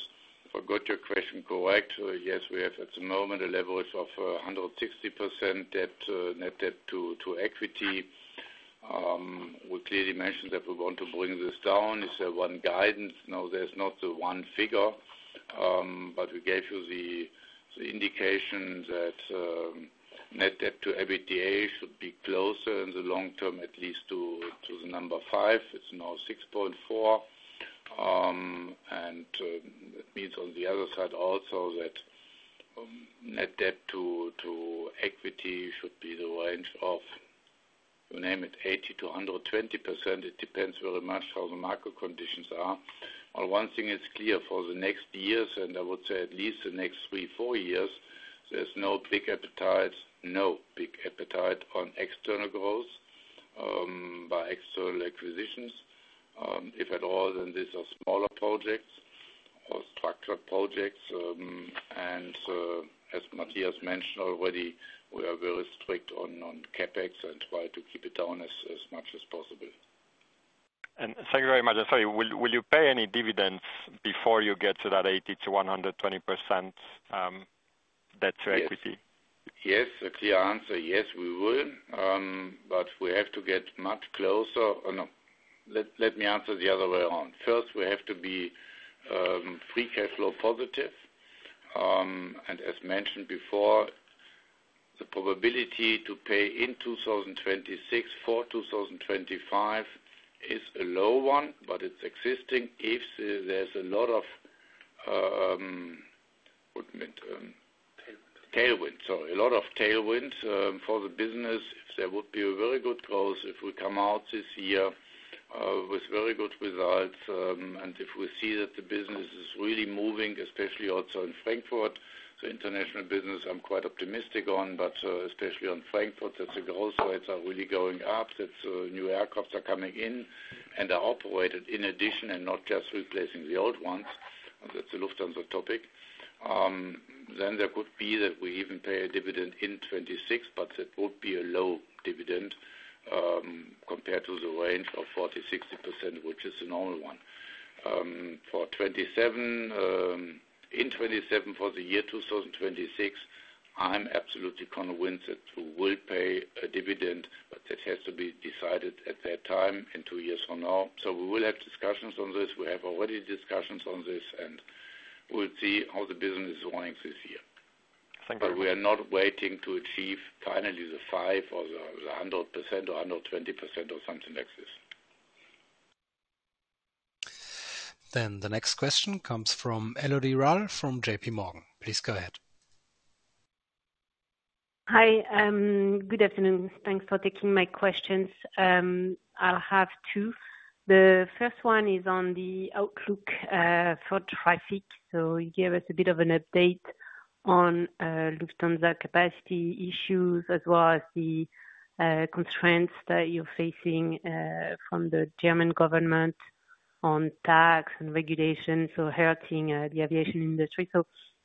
[SPEAKER 3] I got your question correct. Yes, we have at the moment a leverage of 160% debt, net debt to equity. We clearly mentioned that we want to bring this down. Is there one guidance? No, there's not the one figure. We gave you the indication that net debt to EBITDA should be closer in the long term at least to the number five. It is now 6.4. That means on the other side also that net debt to equity should be in the range of, you name it, 80 to 120%. It depends very much how the market conditions are. One thing is clear for the next years, and I would say at least the next three, four years, there is no big appetite, no big appetite on external growth by external acquisitions. If at all, then these are smaller projects or structured projects. As Matthias mentioned already, we are very strict on CapEx and try to keep it down as much as possible.
[SPEAKER 6] Thank you very much. Sorry, will you pay any dividends before you get to that 80 to 120% debt to equity?
[SPEAKER 3] Yes. A clear answer, yes, we will. We have to get much closer. Let me answer the other way around. First, we have to be free cash flow positive. As mentioned before, the probability to pay in 2026 for 2025 is a low one, but it's existing if there's a lot of tailwinds. A lot of tailwinds for the business. There would be a very good growth if we come out this year with very good results. If we see that the business is really moving, especially also in Frankfurt, the international business I'm quite optimistic on, but especially on Frankfurt, that's a growth rate that's really going up. New aircraft are coming in and are operated in addition and not just replacing the old ones. That's a Lufthansa topic. There could be that we even pay a dividend in 2026, but it would be a low dividend compared to the range of 40 to 60%, which is the normal one. For 2027, in 2027 for the year 2026, I'm absolutely convinced that we will pay a dividend, but that has to be decided at that time in two years from now. We will have discussions on this. We have already discussions on this, and we'll see how the business is going this year. We are not waiting to achieve finally the five or the 100% or 120% or something like this.
[SPEAKER 1] The next question comes from Elodie Rall from J.P. Morgan. Please go ahead.
[SPEAKER 7] Hi. Good afternoon. Thanks for taking my questions. I'll have two. The first one is on the outlook for traffic. You gave us a bit of an update on Lufthansa capacity issues as well as the constraints that you're facing from the German government on tax and regulations, so hurting the aviation industry.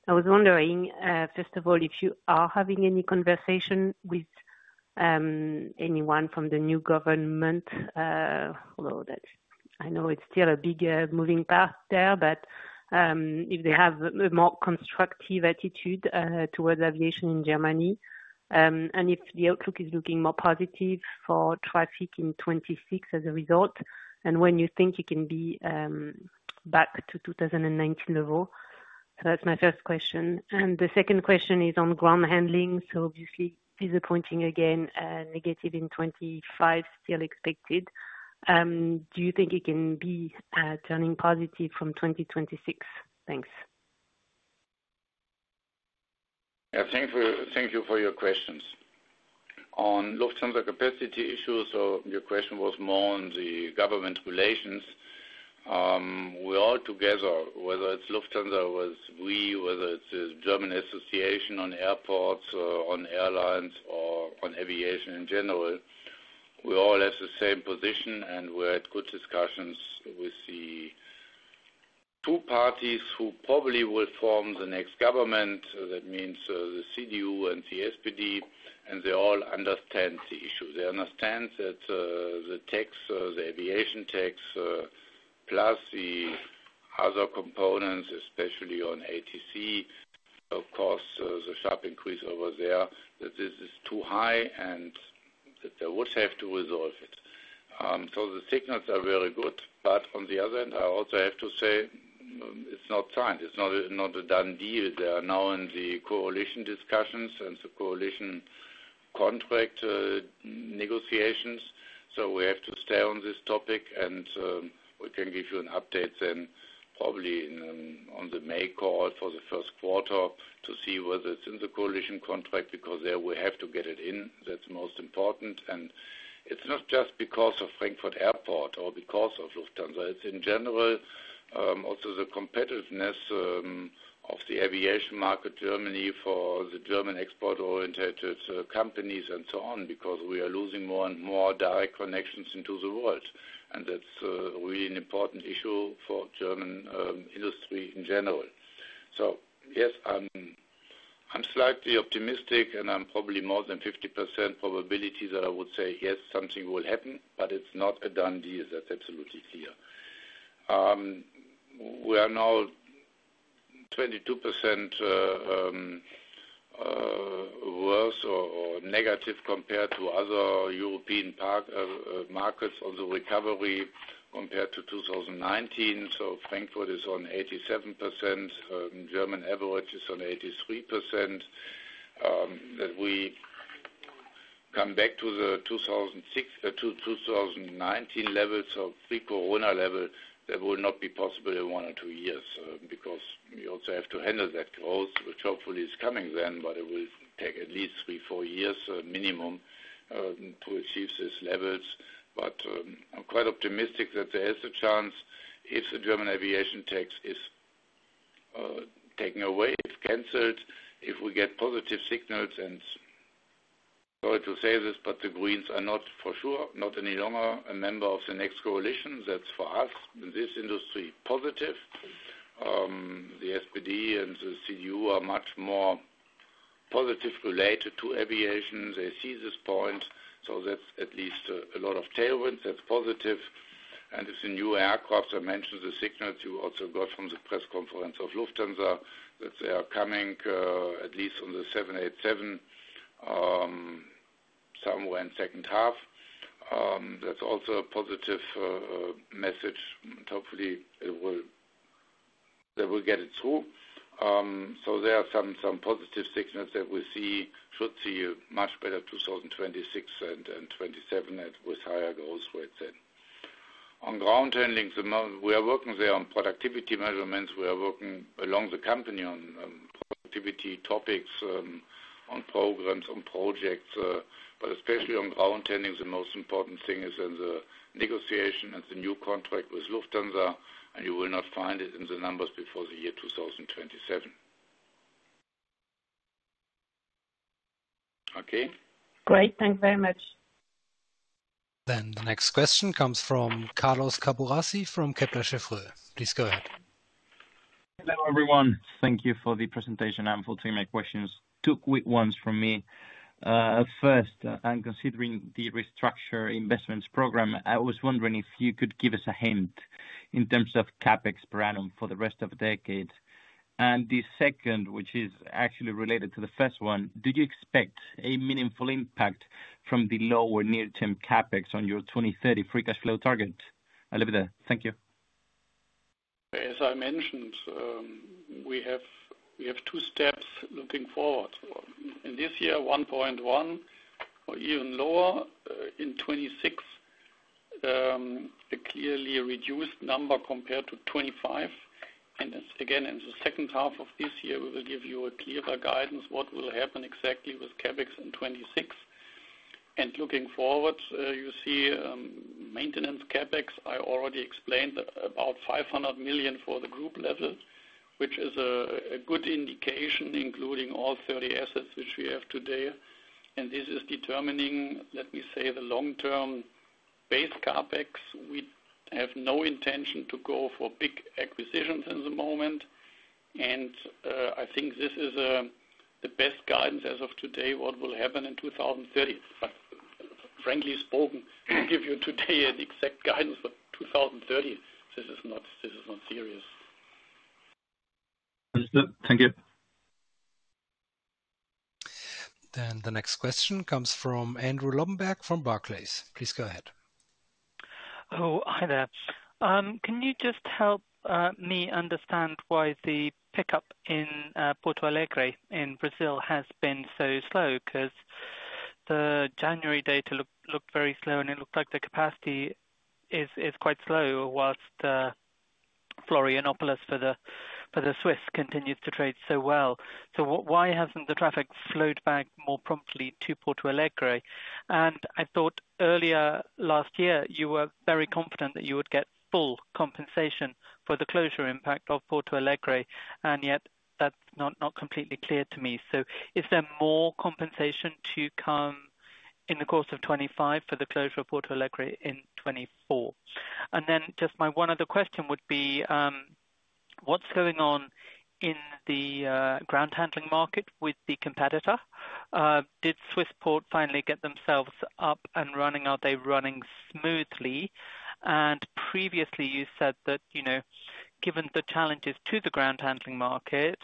[SPEAKER 7] I was wondering, first of all, if you are having any conversation with anyone from the new government, although I know it's still a big moving path there, but if they have a more constructive attitude towards aviation in Germany, and if the outlook is looking more positive for traffic in 2026 as a result, and when you think it can be back to 2019 level. That's my first question. The second question is on ground handling. Obviously, disappointing again, negative in 2025 still expected. Do you think it can be turning positive from 2026? Thanks.
[SPEAKER 3] Thank you for your questions. On Lufthansa capacity issues, your question was more on the government relations. We all together, whether it's Lufthansa or we, whether it's the German association on airports, on airlines, or on aviation in general, we all have the same position, and we had good discussions with the two parties who probably will form the next government. That means the CDU and the SPD, and they all understand the issue. They understand that the tax, the aviation tax, plus the other components, especially on ATC, of course, the sharp increase over there, that this is too high and that they would have to resolve it. The signals are very good. On the other end, I also have to say it's not signed. It's not a done deal. They are now in the coalition discussions and the coalition contract negotiations. We have to stay on this topic, and we can give you an update then probably on the May call for the first quarter to see whether it's in the coalition contract because there we have to get it in. That's most important. It's not just because of Frankfurt Airport or because of Lufthansa. It's in general also the competitiveness of the aviation market, Germany, for the German export-oriented companies and so on because we are losing more and more direct connections into the world. That's really an important issue for German industry in general. Yes, I'm slightly optimistic, and I'm probably more than 50% probability that I would say, yes, something will happen, but it's not a done deal. That's absolutely clear. We are now 22% worse or negative compared to other European markets on the recovery compared to 2019. Frankfurt is on 87%. German average is on 83%. That we come back to the 2019 levels, so pre-Corona level, that will not be possible in one or two years because we also have to handle that growth, which hopefully is coming then, but it will take at least three, four years minimum to achieve these levels. I'm quite optimistic that there is a chance if the German aviation tax is taken away, canceled, if we get positive signals. Sorry to say this, but the Greens are not for sure, not any longer a member of the next coalition. That's for us in this industry positive. The SPD and the CDU are much more positive related to aviation. They see this point. That's at least a lot of tailwinds. That's positive. It's a new aircraft. I mentioned the signal you also got from the press conference of Lufthansa that they are coming at least on the 787 somewhere in second half. That's also a positive message. Hopefully, they will get it through. There are some positive signals that we should see much better 2026 and 2027 with higher growth rates then. On ground handling, we are working there on productivity measurements. We are working along the company on productivity topics, on programs, on projects. Especially on ground handling, the most important thing is in the negotiation and the new contract with Lufthansa, and you will not find it in the numbers before the year 2027. Okay?
[SPEAKER 7] Great. Thanks very much.
[SPEAKER 1] The next question comes from Carlos Caburrasi from Kepler Cheuvreux. Please go ahead.
[SPEAKER 8] Hello everyone. Thank you for the presentation. I'm fulfilling my questions. Two quick ones from me. First, considering the restructure investments program, I was wondering if you could give us a hint in terms of CapEx per annum for the rest of the decade. The second, which is actually related to the first one, do you expect a meaningful impact from the lower near-term CapEx on your 2030 free cash flow target? Thank you.
[SPEAKER 4] As I mentioned, we have two steps looking forward. In this year, 1.1 billion or even lower. In 2026, a clearly reduced number compared to 2025. In the second half of this year, we will give you a clearer guidance on what will happen exactly with CapEx in 2026. Looking forward, you see maintenance CapEx. I already explained about 500 million for the group level, which is a good indication, including all 30 assets which we have today. This is determining, let me say, the long-term base CapEx. We have no intention to go for big acquisitions at the moment. I think this is the best guidance as of today what will happen in 2030. Frankly spoken, I'll give you today an exact guidance for 2030. This is not serious.
[SPEAKER 8] Thank you.
[SPEAKER 1] The next question comes from Andrew Lobbenberg from Barclays. Please go ahead.
[SPEAKER 9] Oh, hi there. Can you just help me understand why the pickup in Porto Alegre in Brazil has been so slow? Because the January data looked very slow, and it looked like the capacity is quite slow, whilst the Florianopolis for the Swiss continues to trade so well. Why hasn't the traffic flowed back more promptly to Porto Alegre? I thought earlier last year, you were very confident that you would get full compensation for the closure impact of Porto Alegre. Yet, that's not completely clear to me. Is there more compensation to come in the course of 2025 for the closure of Porto Alegre in 2024? My one other question would be, what's going on in the ground handling market with the competitor? Did Swissport finally get themselves up and running? Are they running smoothly? Previously, you said that given the challenges to the ground handling market,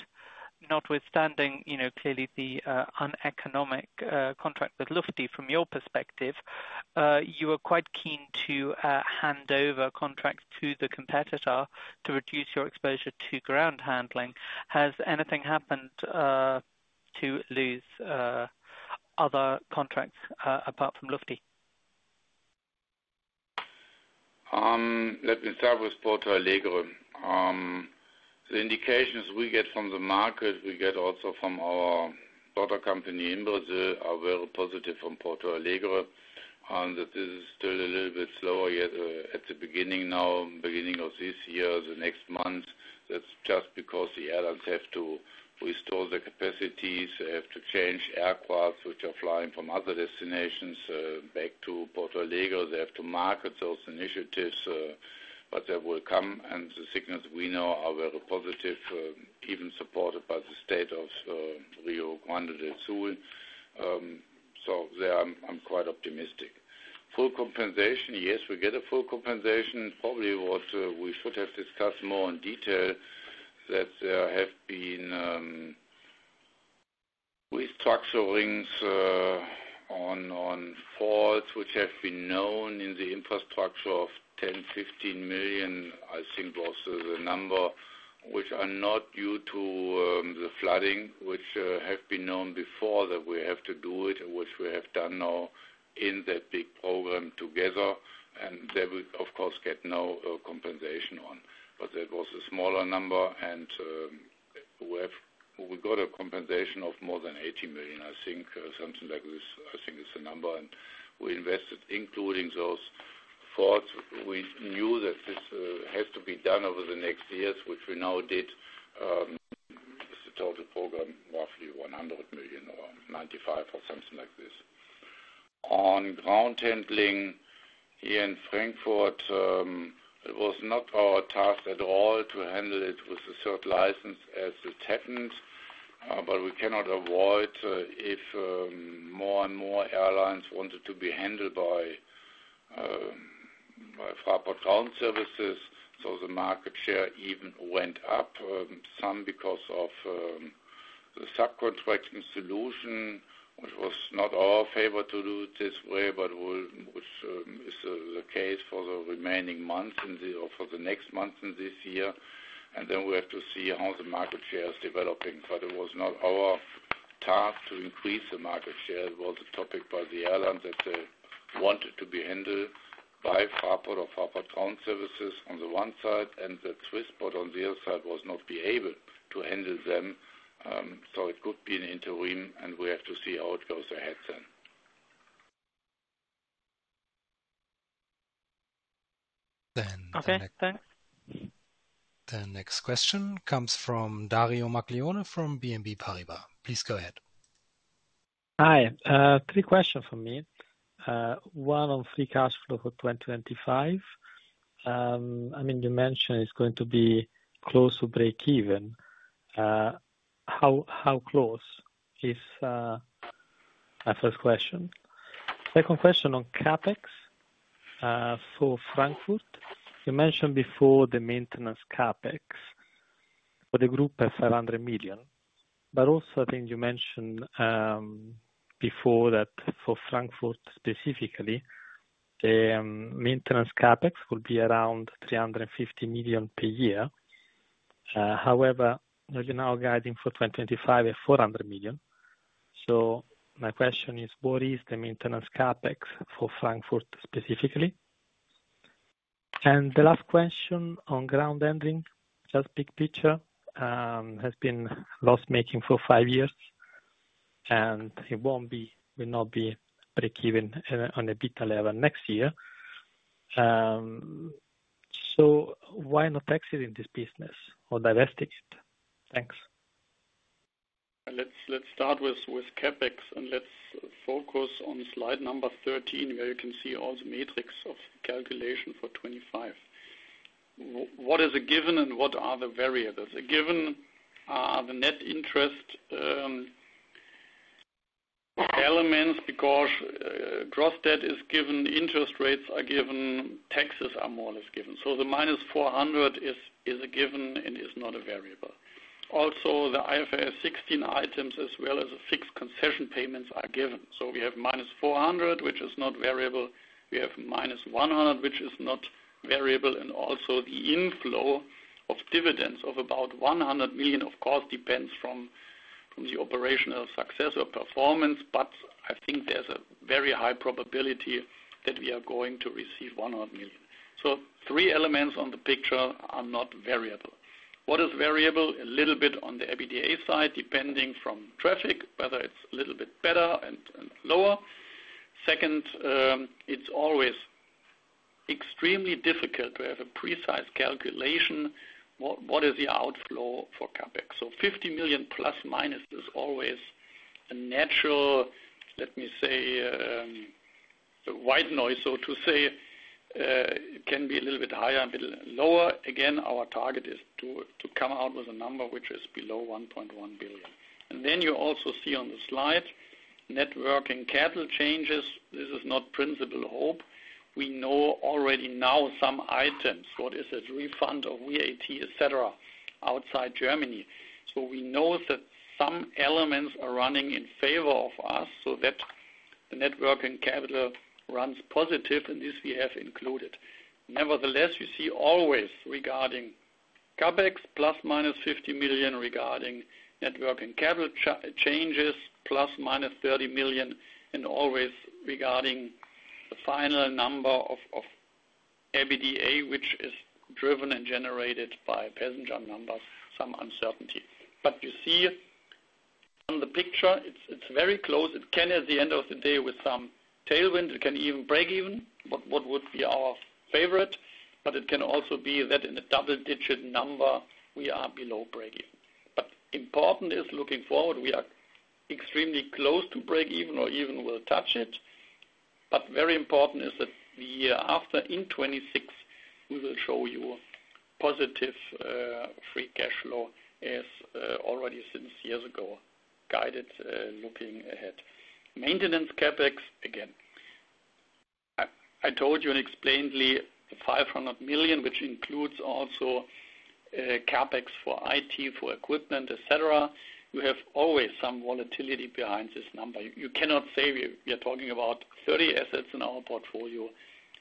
[SPEAKER 9] notwithstanding clearly the uneconomic contract with Lufthansa from your perspective, you were quite keen to hand over contracts to the competitor to reduce your exposure to ground handling. Has anything happened to lose other contracts apart from Lufthansa?
[SPEAKER 3] That is with Porto Alegre. The indications we get from the market, we get also from our daughter company in Brazil, are very positive from Porto Alegre. This is still a little bit slower at the beginning now, beginning of this year, the next month. That's just because the airlines have to restore the capacities. They have to change aircraft, which are flying from other destinations back to Porto Alegre. They have to market those initiatives, but they will come. The signals we know are very positive, even supported by the state of Rio Grande do Sul. There, I'm quite optimistic. Full compensation, yes, we get a full compensation. Probably what we should have discussed more in detail, that there have been restructurings on faults, which have been known in the infrastructure of 10 million to 15 million, I think was the number, which are not due to the flooding, which have been known before that we have to do it, which we have done now in that big program together. They will, of course, get no compensation on. That was a smaller number, and we got a compensation of more than 80 million, I think. Something like this, I think, is the number. We invested, including those faults. We knew that this has to be done over the next years, which we now did. It's a total program, roughly 100 million or 95 million or something like this. On ground handling here in Frankfurt, it was not our task at all to handle it with a certain license as it happened. We cannot avoid if more and more airlines wanted to be handled by Fraport Ground Services. The market share even went up, some because of the subcontracting solution, which was not our favor to do it this way, but which is the case for the remaining months or for the next months in this year. We have to see how the market share is developing. It was not our task to increase the market share. It was a topic by the airlines that they wanted to be handled by Fraport or Fraport Ground Services on the one side, and that Swissport on the other side was not able to handle them. It could be an interim, and we have to see how it goes ahead then.
[SPEAKER 1] The next question comes from Dario Maglione from BNP Paribas. Please go ahead.
[SPEAKER 10] Hi. Three questions for me. One on free cash flow for 2025. I mean, you mentioned it's going to be close to break even. How close is my first question. Second question on CapEx for Frankfurt. You mentioned before the maintenance CapEx for the group of 500 million. But also, I think you mentioned before that for Frankfurt specifically, the maintenance CapEx would be around 350 million per year. However, you're now guiding for 2025 at 400 million. My question is, what is the maintenance CapEx for Frankfurt specifically? The last question on ground handling, just big picture, has been loss-making for five years, and it will not be break-even on an EBITDA level next year. Why not exit in this business or divest it? Thanks.
[SPEAKER 4] Let's start with CapEx, and let's focus on slide number 13, where you can see all the metrics of calculation for 2025. What is a given, and what are the variables? A given are the net interest elements because gross debt is given, interest rates are given, taxes are more or less given. The minus 400 is a given and is not a variable. Also, the IFRS 16 items, as well as fixed concession payments, are given. We have minus 400, which is not variable. We have minus 100, which is not variable. Also, the inflow of dividends of about 100 million, of course, depends on the operational success or performance. I think there is a very high probability that we are going to receive 100 million. Three elements on the picture are not variable. What is variable? A little bit on the EBITDA side, depending from traffic, whether it's a little bit better and lower. Second, it's always extremely difficult to have a precise calculation. What is the outflow for CapEx? 50 million plus minus is always a natural, let me say, white noise, so to say. It can be a little bit higher, a bit lower. Again, our target is to come out with a number which is below 1.1 billion. You also see on the slide, networking capital changes. This is not principal hope. We know already now some items. What is it? Refund of VAT, etc., outside Germany. We know that some elements are running in favor of us so that the networking capital runs positive, and this we have included. Nevertheless, you see always regarding CapEx plus minus 50 million regarding networking capital changes plus minus 30 million, and always regarding the final number of EBITDA, which is driven and generated by passenger numbers, some uncertainty. You see on the picture, it's very close. It can, at the end of the day, with some tailwind, it can even break even. That would be our favorite. It can also be that in a double-digit number, we are below break even. Important is looking forward, we are extremely close to break even or even will touch it. Very important is that the year after, in 2026, we will show you positive free cash flow as already since years ago guided looking ahead. Maintenance CapEx, again, I told you and explained the 500 million, which includes also CapEx for IT, for equipment, etc. You have always some volatility behind this number. You cannot say we are talking about 30 assets in our portfolio,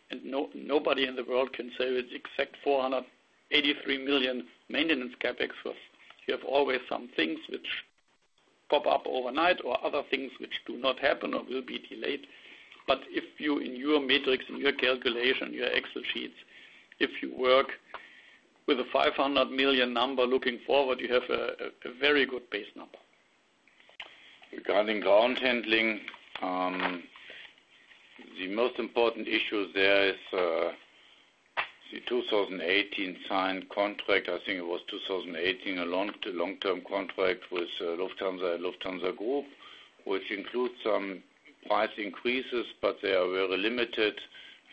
[SPEAKER 4] and nobody in the world can say with exact 483 million maintenance CapEx was. You have always some things which pop up overnight or other things which do not happen or will be delayed. If you, in your matrix, in your calculation, your Excel sheets, if you work with a 500 million number looking forward, you have a very good base number.
[SPEAKER 3] Regarding ground handling, the most important issue there is the 2018 signed contract. I think it was 2018, a long-term contract with Lufthansa and Lufthansa Group, which includes some price increases, but they are very limited.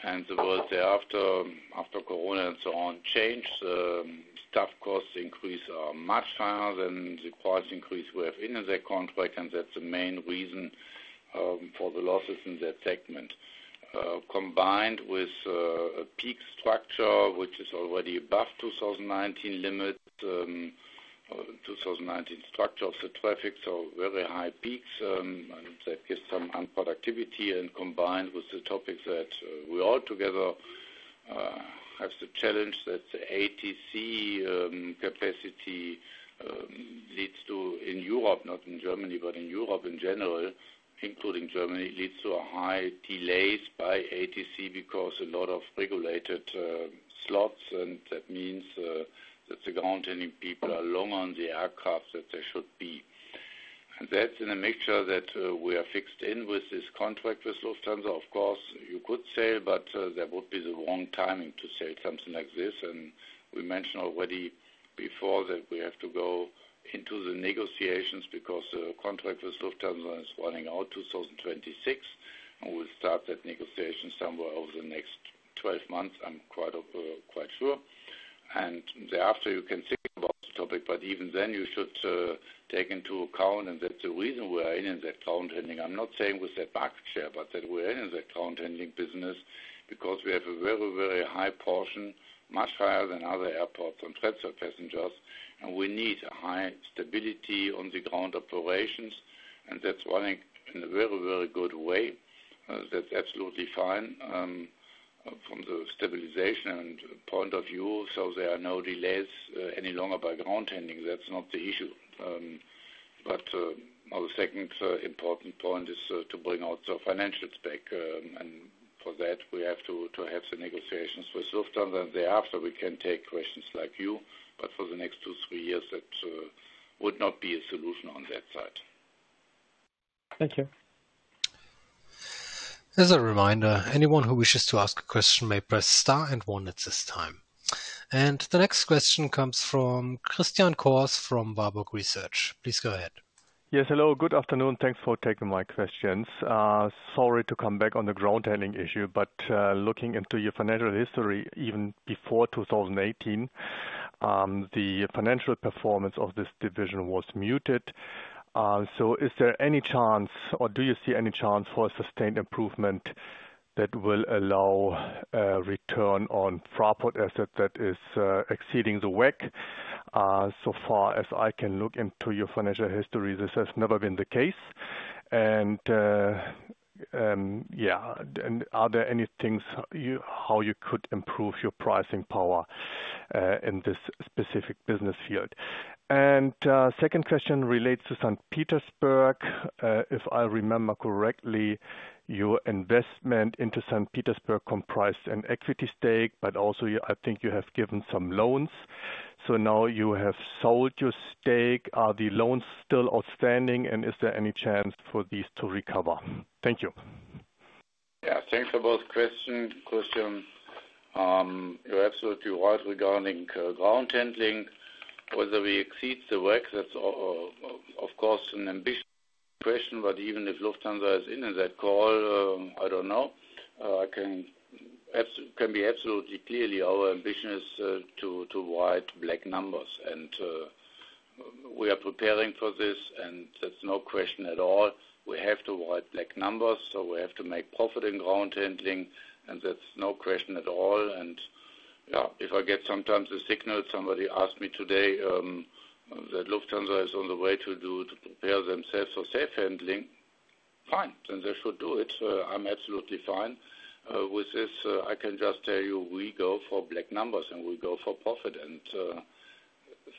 [SPEAKER 3] The world thereafter, after Corona and so on, changed. The staff costs increase are much higher than the price increase we have in that contract, and that's the main reason for the losses in that segment. Combined with a peak structure, which is already above 2019 limits, 2019 structure of the traffic, so very high peaks, that gives some unproductivity. Combined with the topics that we all together have to challenge, that the ATC capacity leads to, in Europe, not in Germany, but in Europe in general, including Germany, leads to high delays by ATC because a lot of regulated slots. That means that the ground handling people are longer on the aircraft than they should be. That's in a mixture that we are fixed in with this contract with Lufthansa. Of course, you could sell, but there would be the wrong timing to sell something like this. We mentioned already before that we have to go into the negotiations because the contract with Lufthansa is running out 2026, and we'll start that negotiation somewhere over the next 12 months, I'm quite sure. Thereafter, you can think about the topic, but even then, you should take into account, and that's the reason we are in that ground handling. I'm not saying with that market share, but that we are in that ground handling business because we have a very, very high portion, much higher than other airports on transfer passengers. We need a high stability on the ground operations, and that's running in a very, very good way. That's absolutely fine from the stabilization point of view. There are no delays any longer by ground handling. That's not the issue. My second important point is to bring out the financials back. For that, we have to have the negotiations with Lufthansa. Thereafter, we can take questions like you, but for the next two to three years, that would not be a solution on that side.
[SPEAKER 10] Thank you.
[SPEAKER 1] As a reminder, anyone who wishes to ask a question may press star and one at this time. The next question comes from Christian Cohrs from Warburg Research. Please go ahead.
[SPEAKER 11] Yes, hello. Good afternoon. Thanks for taking my questions. Sorry to come back on the ground handling issue, but looking into your financial history, even before 2018, the financial performance of this division was muted. Is there any chance, or do you see any chance for a sustained improvement that will allow a return on Fraport asset that is exceeding the WACC? So far as I can look into your financial history, this has never been the case. Yeah, are there any things how you could improve your pricing power in this specific business field? Second question relates to St. Petersburg. If I remember correctly, your investment into St. Petersburg comprised an equity stake, but also I think you have given some loans. Now you have sold your stake. Are the loans still outstanding, and is there any chance for these to recover? Thank you.
[SPEAKER 3] Yeah, thanks for both questions. You're absolutely right regarding ground handling. Whether we exceed the WEC, that's of course an ambitious question, but even if Lufthansa is in that call, I don't know. It can be absolutely clearly our ambition is to avoid black numbers, and we are preparing for this, and that's no question at all. We have to avoid black numbers, so we have to make profit in ground handling, and that's no question at all. Yeah, if I get sometimes a signal, somebody asked me today that Lufthansa is on the way to prepare themselves for self-handling, fine, then they should do it. I'm absolutely fine with this. I can just tell you we go for black numbers and we go for profit.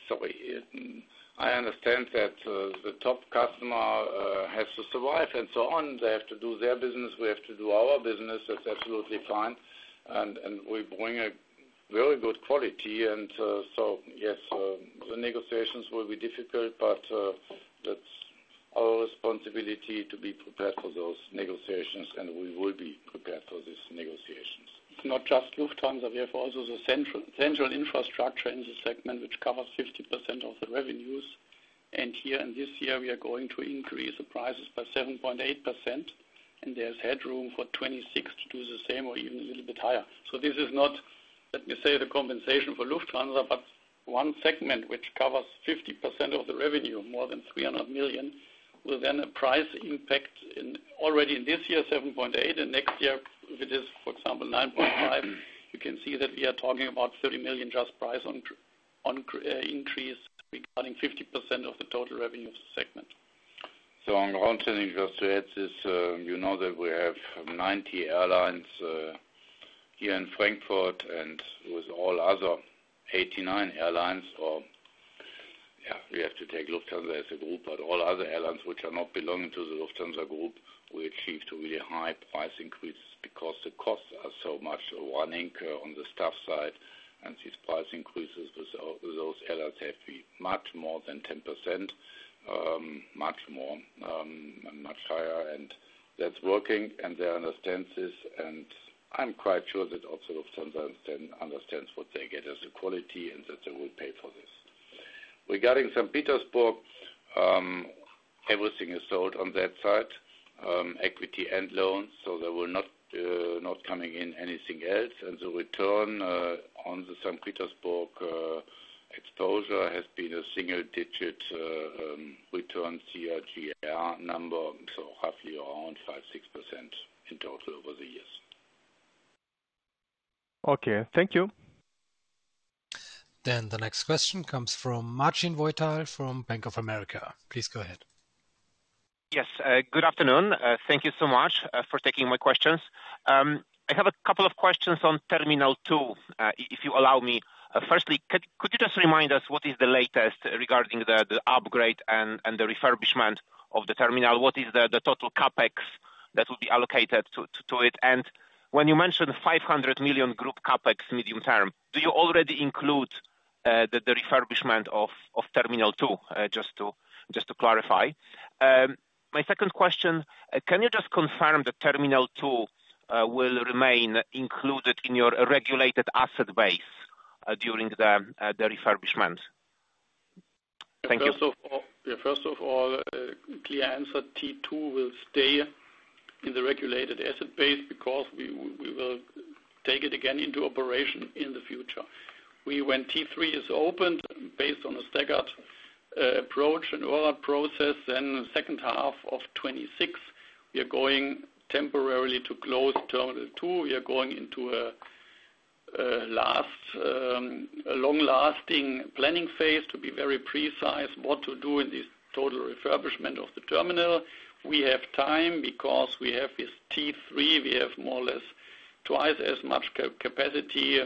[SPEAKER 3] Sorry, I understand that the top customer has to survive and so on. They have to do their business. We have to do our business. That's absolutely fine. We bring a very good quality. Yes, the negotiations will be difficult, but that's our responsibility to be prepared for those negotiations, and we will be prepared for these negotiations.
[SPEAKER 4] It's not just Lufthansa. We have also the central infrastructure in the segment, which covers 50% of the revenues. Here in this year, we are going to increase the prices by 7.8%, and there is headroom for 2026 to do the same or even a little bit higher. This is not, let me say, the compensation for Lufthansa, but one segment which covers 50% of the revenue, more than 300 million, will then have price impact already in this year, 7.8%, and next year, if it is, for example, 9.5%. You can see that we are talking about 30 million just price increase regarding 50% of the total revenue of the segment.
[SPEAKER 3] On ground handling, just to add this, you know that we have 90 airlines here in Frankfurt and with all other 89 airlines. Yeah, we have to take Lufthansa as a group, but all other airlines which are not belonging to the Lufthansa group will achieve really high price increases because the costs are so much running on the staff side. These price increases with those airlines have to be much more than 10%, much more, much higher. That is working, and they understand this. I am quite sure that also Lufthansa understands what they get as a quality and that they will pay for this. Regarding St. Petersburg, everything is sold on that side, equity and loans, so they will not be coming in anything else. The return on the St. Petersburg exposure has been a single-digit return CRGR number, so roughly around 5 to 6% in total over the years.
[SPEAKER 11] Okay. Thank you.
[SPEAKER 1] The next question comes from Marcin Wojtal from Bank of America. Please go ahead.
[SPEAKER 12] Yes.Good afternoon. Thank you so much for taking my questions. I have a couple of questions on Terminal 2, if you allow me. Firstly, could you just remind us what is the latest regarding the upgrade and the refurbishment of the terminal? What is the total CapEx that will be allocated to it? When you mentioned 500 million group CapEx medium term, do you already include the refurbishment of Terminal 2, just to clarify? My second question, can you just confirm that Terminal 2 will remain included in your regulated asset base during the refurbishment? Thank you.
[SPEAKER 4] Yeah. First of all, clear answer, T2 will stay in the regulated asset base because we will take it again into operation in the future. When T3 is opened based on a staggered approach and order process, then the second half of 2026, we are going temporarily to close Terminal 2. We are going into a long-lasting planning phase to be very precise what to do in this total refurbishment of the terminal. We have time because we have this Terminal 3. We have more or less twice as much capacity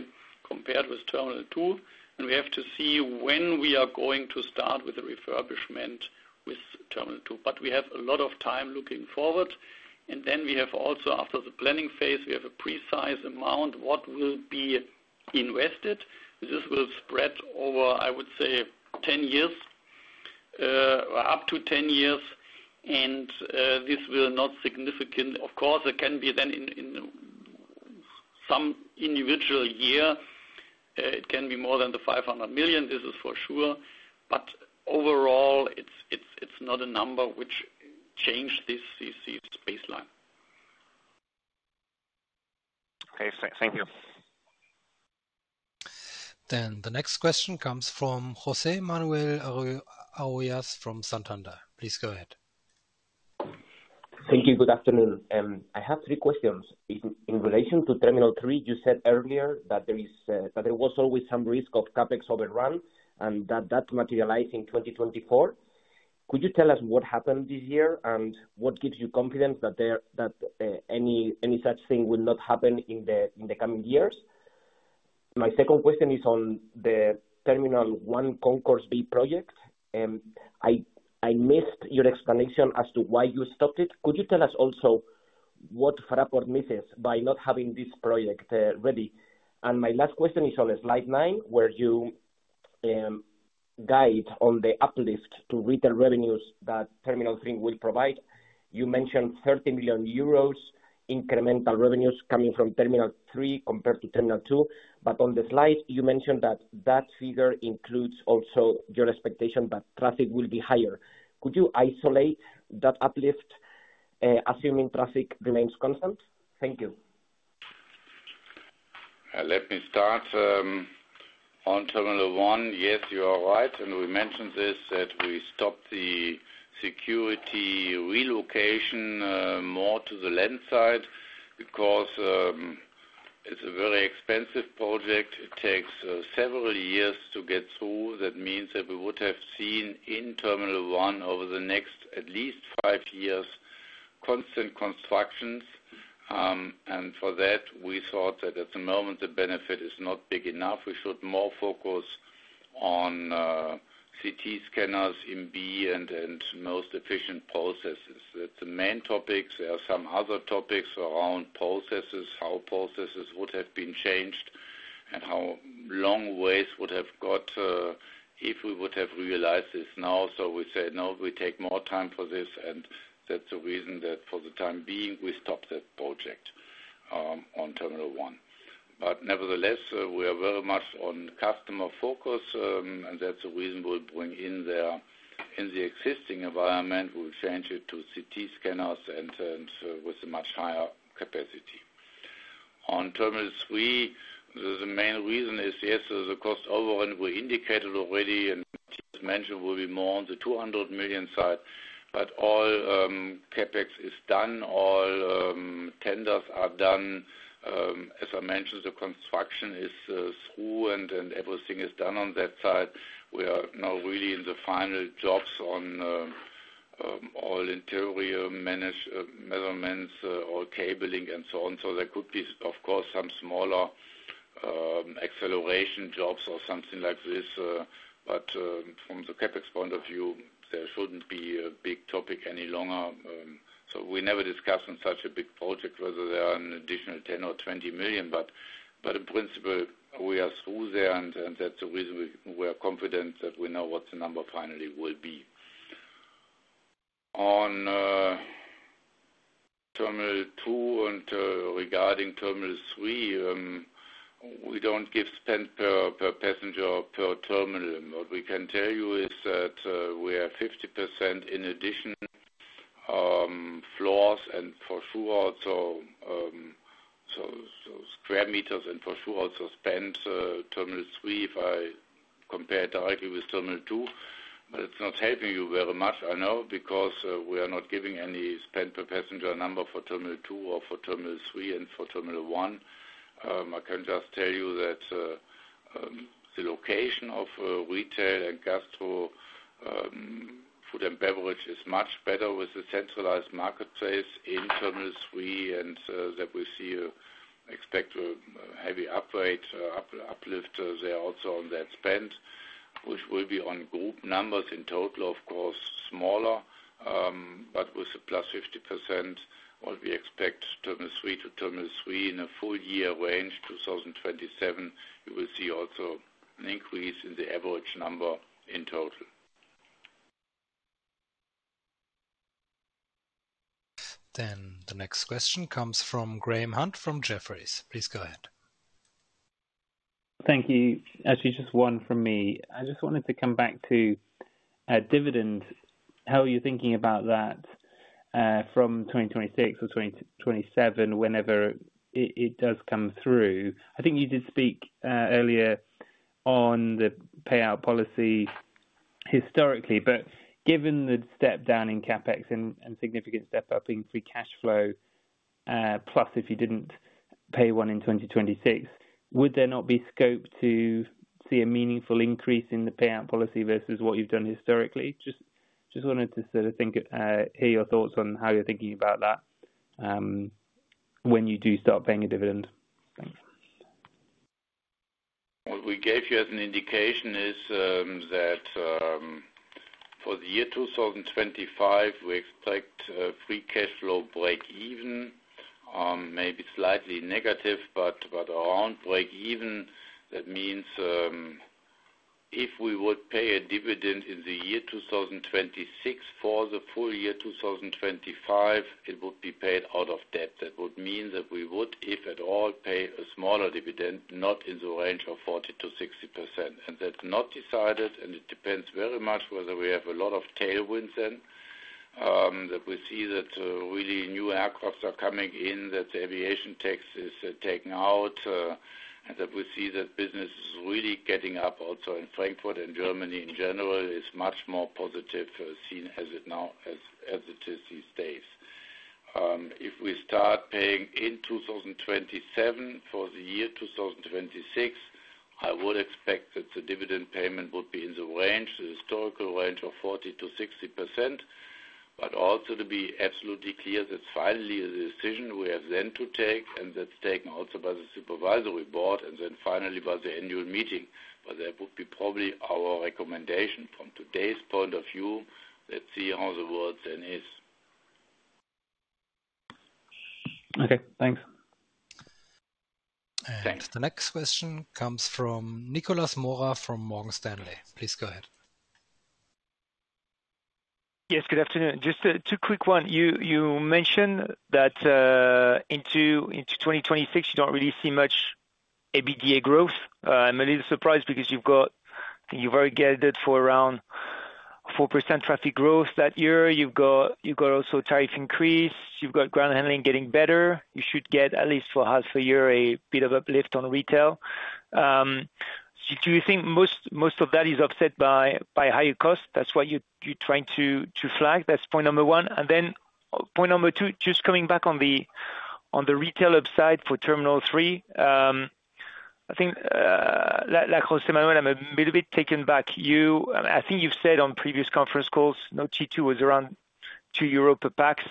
[SPEAKER 4] compared with Terminal 2. We have to see when we are going to start with the refurbishment with Terminal 2. We have a lot of time looking forward. After the planning phase, we have a precise amount what will be invested. This will spread over, I would say, 10 years, up to 10 years. This will not significantly. Of course, it can be then in some individual year, it can be more than 500 million. This is for sure. Overall, it is not a number which changes this baseline.
[SPEAKER 12] Okay. Thank you.
[SPEAKER 1] The next question comes from José Manuel Arroyas from Santander. Please go ahead.
[SPEAKER 13] Thank you. Good afternoon. I have three questions. In relation to Terminal 3, you said earlier that there was always some risk of CapEx overrun and that that materialized in 2024. Could you tell us what happened this year and what gives you confidence that any such thing will not happen in the coming years? My second question is on the Terminal 1 Concourse B project. I missed your explanation as to why you stopped it. Could you tell us also what Fraport misses by not having this project ready? My last question is on slide nine, where you guide on the uplift to retail revenues that Terminal 3 will provide. You mentioned 30 million euros incremental revenues coming from Terminal 3 compared to Terminal 2. On the slide, you mentioned that that figure includes also your expectation that traffic will be higher. Could you isolate that uplift assuming traffic remains constant? Thank you.
[SPEAKER 3] Let me start. On Terminal 1, yes, you are right. We mentioned this, that we stopped the security relocation more to the land side because it is a very expensive project. It takes several years to get through. That means that we would have seen in Terminal 1 over the next at least five years constant constructions. For that, we thought that at the moment, the benefit is not big enough. We should more focus on CT scanners in B and most efficient processes. That is the main topic. There are some other topics around processes, how processes would have been changed, and how long ways would have got if we would have realized this now. We said, "No, we take more time for this." That is the reason that for the time being, we stopped that project on Terminal 1. Nevertheless, we are very much on customer focus, and that is the reason we will bring in the existing environment. We will change it to CT scanners and with a much higher capacity. On Terminal 3, the main reason is, yes, the cost overrun we indicated already. As mentioned, we will be more on the 200 million side. All CapEx is done. All tenders are done. As I mentioned, the construction is through, and everything is done on that side. We are now really in the final jobs on all interior measurements, all cabling, and so on. There could be, of course, some smaller acceleration jobs or something like this. From the CapEx point of view, there shouldn't be a big topic any longer. We never discussed on such a big project whether there are an additional 10 or 20 million. In principle, we are through there, and that's the reason we are confident that we know what the number finally will be. On Terminal 2 and regarding Terminal 3, we don't give spend per passenger or per terminal. What we can tell you is that we have 50% in addition floors and for sure also square meters and for sure also spend Terminal 3 if I compare directly with Terminal 2. It's not helping you very much, I know, because we are not giving any spend per passenger number for Terminal 2 or for Terminal 3 and for Terminal 1. I can just tell you that the location of retail and gastro, food and beverage is much better with the centralized marketplace in Terminal 3 and that we see expect a heavy uplift. They are also on that spend, which will be on group numbers in total, of course, smaller. With a plus 50%, what we expect Terminal 3 to Terminal 3 in a full year range 2027, you will see also an increase in the average number in total.
[SPEAKER 1] The next question comes from Graham Hunt from Jefferies. Please go ahead.
[SPEAKER 14] Thank you. Actually, just one from me. I just wanted to come back to dividends. How are you thinking about that from 2026 or 2027 whenever it does come through?I think you did speak earlier on the payout policy historically, but given the step down in CapEx and significant step up in free cash flow, plus if you did not pay one in 2026, would there not be scope to see a meaningful increase in the payout policy versus what you have done historically? Just wanted to sort of hear your thoughts on how you are thinking about that when you do start paying a dividend. Thanks.
[SPEAKER 3] What we gave you as an indication is that for the year 2025, we expect free cash flow break-even, maybe slightly negative, but around break-even. That means if we would pay a dividend in the year 2026 for the full year 2025, it would be paid out of debt. That would mean that we would, if at all, pay a smaller dividend, not in the range of 40 to 60%. That is not decided, and it depends very much whether we have a lot of tailwinds, that we see that really new aircraft are coming in, that the aviation tax is taken out, and that we see that business is really getting up also in Frankfurt and Germany in general, is much more positively seen as it is these days. If we start paying in 2027 for the year 2026, I would expect that the dividend payment would be in the historical range of 40% to 60%. Also, to be absolutely clear, that is finally the decision we have then to take, and that is taken also by the supervisory board and then finally by the annual meeting. That would be probably our recommendation from today's point of view. Let's see how the world then is.
[SPEAKER 14] Okay. Thanks.
[SPEAKER 1] The next question comes from Nicolas Mora from Morgan Stanley. Please go ahead.
[SPEAKER 15] Yes. Good afternoon. Just two quick ones. You mentioned that into 2026, you do not really see much EBITDA growth. I'm a little surprised because you've got, I think, you're very guided for around 4% traffic growth that year. You've got also tariff increase. You've got ground handling getting better. You should get at least for half a year a bit of uplift on retail. Do you think most of that is offset by higher cost? That's what you're trying to flag. That's point number one. And then point number two, just coming back on the retail upside for Terminal 3, I think José Manuel, I'm a little bit taken back. I think you've said on previous conference calls, T2 was around 2 euro per pax.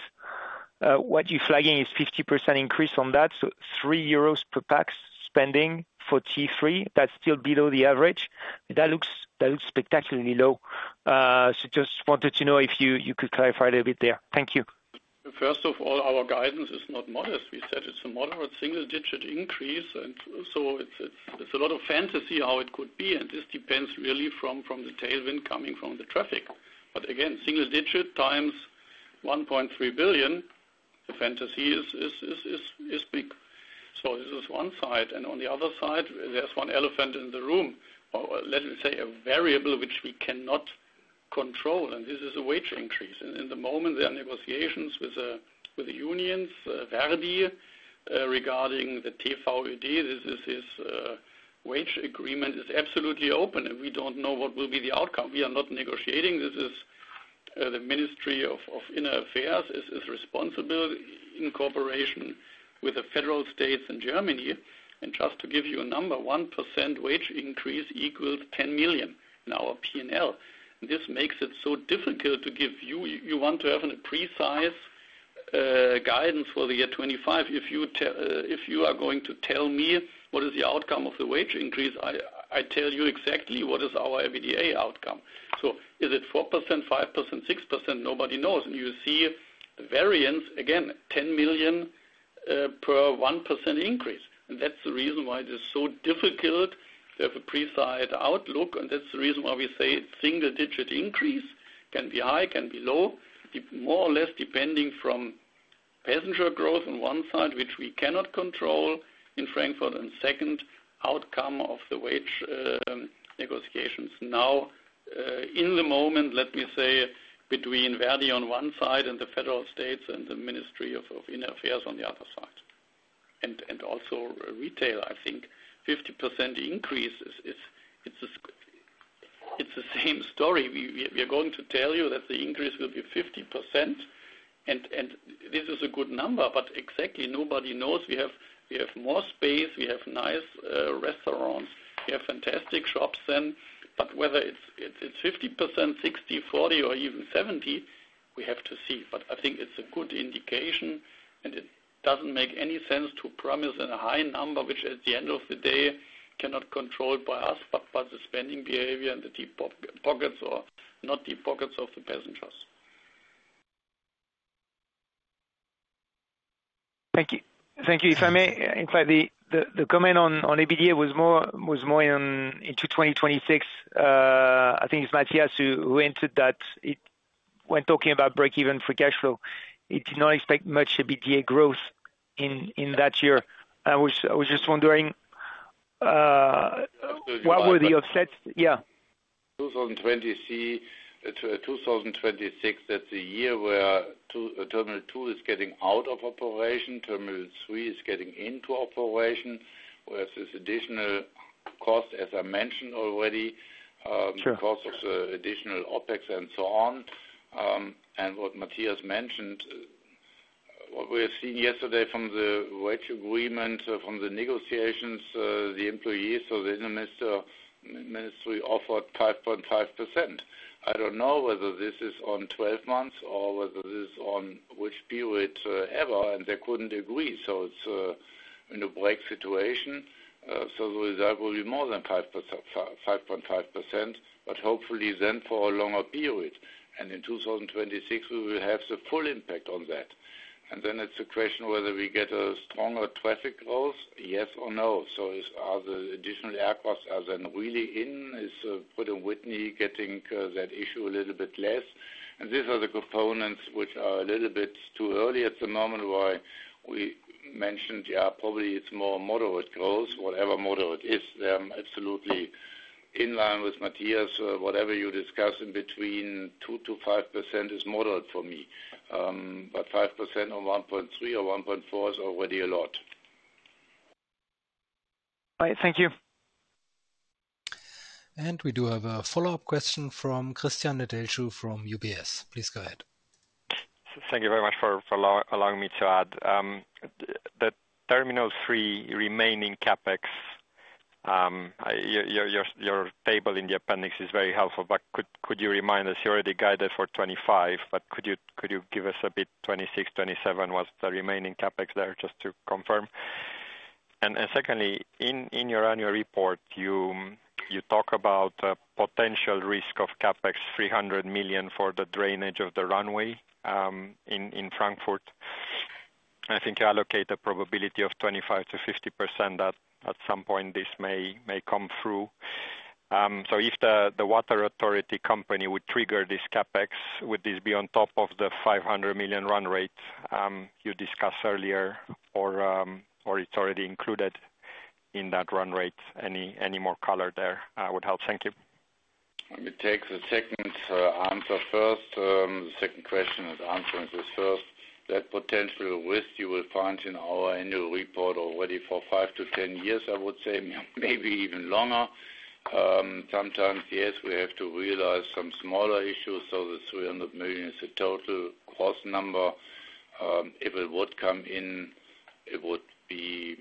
[SPEAKER 15] What you're flagging is 50% increase on that. 3 euros per pax spending for T3, that's still below the average. That looks spectacularly low. Just wanted to know if you could clarify a little bit there. Thank you.
[SPEAKER 4] First of all, our guidance is not modest. We said it's a moderate single-digit increase. It's a lot of fantasy how it could be. This depends really from the tailwind coming from the traffic. Again, single digit times 1.3 billion, the fantasy is big. This is one side. On the other side, there's one elephant in the room, let me say, a variable which we cannot control. This is a wage increase. In the moment, there are negotiations with the unions, Verdi, regarding the TVUD. This wage agreement is absolutely open, and we don't know what will be the outcome. We are not negotiating. The Ministry of Inner Affairs is responsible in cooperation with the federal states and Germany. Just to give you a number, 1% wage increase equals 10 million in our P&L. This makes it so difficult to give you—you want to have a precise guidance for the year 2025. If you are going to tell me what is the outcome of the wage increase, I tell you exactly what is our EBITDA outcome. Is it 4%, 5%, 6%? Nobody knows. You see variance, again, 10 million per 1% increase. That is the reason why it is so difficult to have a precise outlook. That's the reason why we say single-digit increase can be high, can be low, more or less depending from passenger growth on one side, which we cannot control in Frankfurt, and second, outcome of the wage negotiations now in the moment, let me say, between Verdi on one side and the federal states and the Ministry of Inner Affairs on the other side. Also retail, I think 50% increase. It's the same story. We are going to tell you that the increase will be 50%. This is a good number. But exactly, nobody knows. We have more space. We have nice restaurants. We have fantastic shops then. Whether it's 50%, 60, 40, or even 70, we have to see. I think it's a good indication, and it doesn't make any sense to promise a high number, which at the end of the day cannot be controlled by us, but by the spending behavior and the deep pockets or not deep pockets of the passengers.
[SPEAKER 15] Thank you. Thank you. If I may, in fact, the comment on EBITDA was more in 2026. I think it's Matthias who entered that when talking about break-even free cash flow. He did not expect much EBITDA growth in that year. I was just wondering, what were the offsets? Yeah.
[SPEAKER 3] 2020 to 2026, that's a year where Terminal 2 is getting out of operation, Terminal 3 is getting into operation, whereas this additional cost, as I mentioned already, the cost of the additional OPEX and so on. What Matthias mentioned, what we have seen yesterday from the wage agreement, from the negotiations, the employees, the inner ministry offered 5.5%. I do not know whether this is on 12 months or whether this is on which period ever, and they could not agree. It is in a break situation. The result will be more than 5.5%, but hopefully then for a longer period. In 2026, we will have the full impact on that. It is a question whether we get a stronger traffic growth, yes or no. Are the additional aircraft then really in? Is Pratt & Whitney getting that issue a little bit less? These are the components which are a little bit too early at the moment where we mentioned, yeah, probably it is more moderate growth, whatever moderate is. I am absolutely in line with Matthias. Whatever you discuss in between 2 to 5% is moderate for me. 5% on 1.3 or 1.4 is already a lot.
[SPEAKER 15] All right. Thank you.
[SPEAKER 1] We do have a follow-up question from Christian Nedelcu from UBS. Please go ahead.
[SPEAKER 6] Thank you very much for allowing me to add. The Terminal 3 remaining CapEx, your table in the appendix is very helpful, but could you remind us? You already guided for 2025, but could you give us a bit 2026, 2027, what's the remaining CapEx there just to confirm? Secondly, in your annual report, you talk about potential risk of CapEx 300 million for the drainage of the runway in Frankfurt. I think you allocate a probability of 25 to 50% that at some point this may come through. If the water authority company would trigger this CapEx, would this be on top of the 500 million run rate you discussed earlier, or is it already included in that run rate? Any more color there would help. Thank you.
[SPEAKER 3] Let me take the second answer first. The second question is answering this first. That potential risk you will find in our annual report already for 5 to 10 years, I would say, maybe even longer. Sometimes, yes, we have to realize some smaller issues. The 300 million is the total cost number. If it would come in, it would be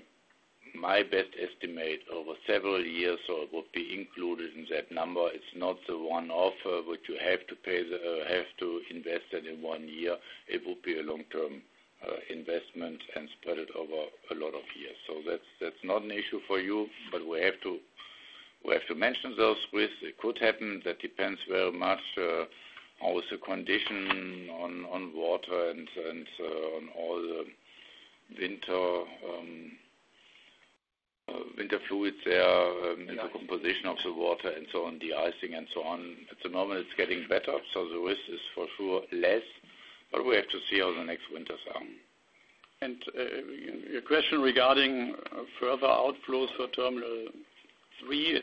[SPEAKER 3] my best estimate over several years, so it would be included in that number. It is not the one-off which you have to pay or have to invest in one year. It would be a long-term investment and spread over a lot of years. That's not an issue for you, but we have to mention those risks. It could happen. That depends very much on the condition on water and on all the winter fluids there in the composition of the water and so on, the icing and so on. At the moment, it's getting better, so the risk is for sure less, but we have to see how the next winters are.
[SPEAKER 4] Your question regarding further outflows for Terminal 3,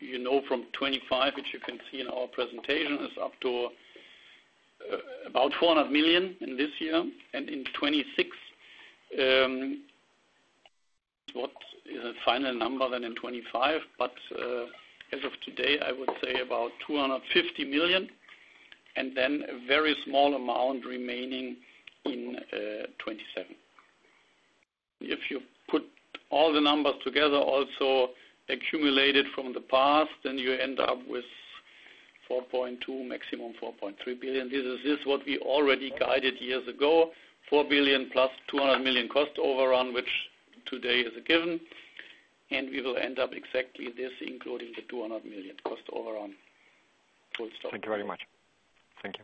[SPEAKER 4] you know from 2025, which you can see in our presentation, is up to about 400 million in this year. In 2026, what is the final number then in 2025? As of today, I would say about 250 million, and then a very small amount remaining in 2027. If you put all the numbers together, also accumulated from the past, then you end up with 4.2 billion, maximum 4.3 billion. This is what we already guided years ago, 4 billion plus 200 million cost overrun, which today is a given. We will end up exactly this, including the 200 million cost overrun. Full stop.
[SPEAKER 6] Thank you very much. Thank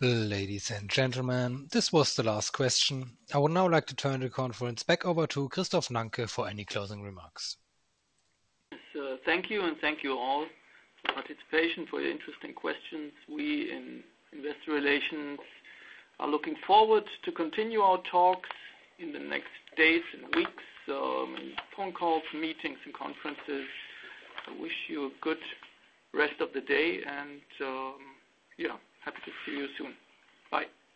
[SPEAKER 6] you.
[SPEAKER 1] Ladies and gentlemen, this was the last question. I would now like to turn the conference back over to Christoph Nanke for any closing remarks.
[SPEAKER 2] Thank you, and thank you all for participation, for your interesting questions. We in investor relations are looking forward to continue our talks in the next days and weeks, phone calls, meetings, and conferences. I wish you a good rest of the day, and yeah, happy to see you soon. Bye.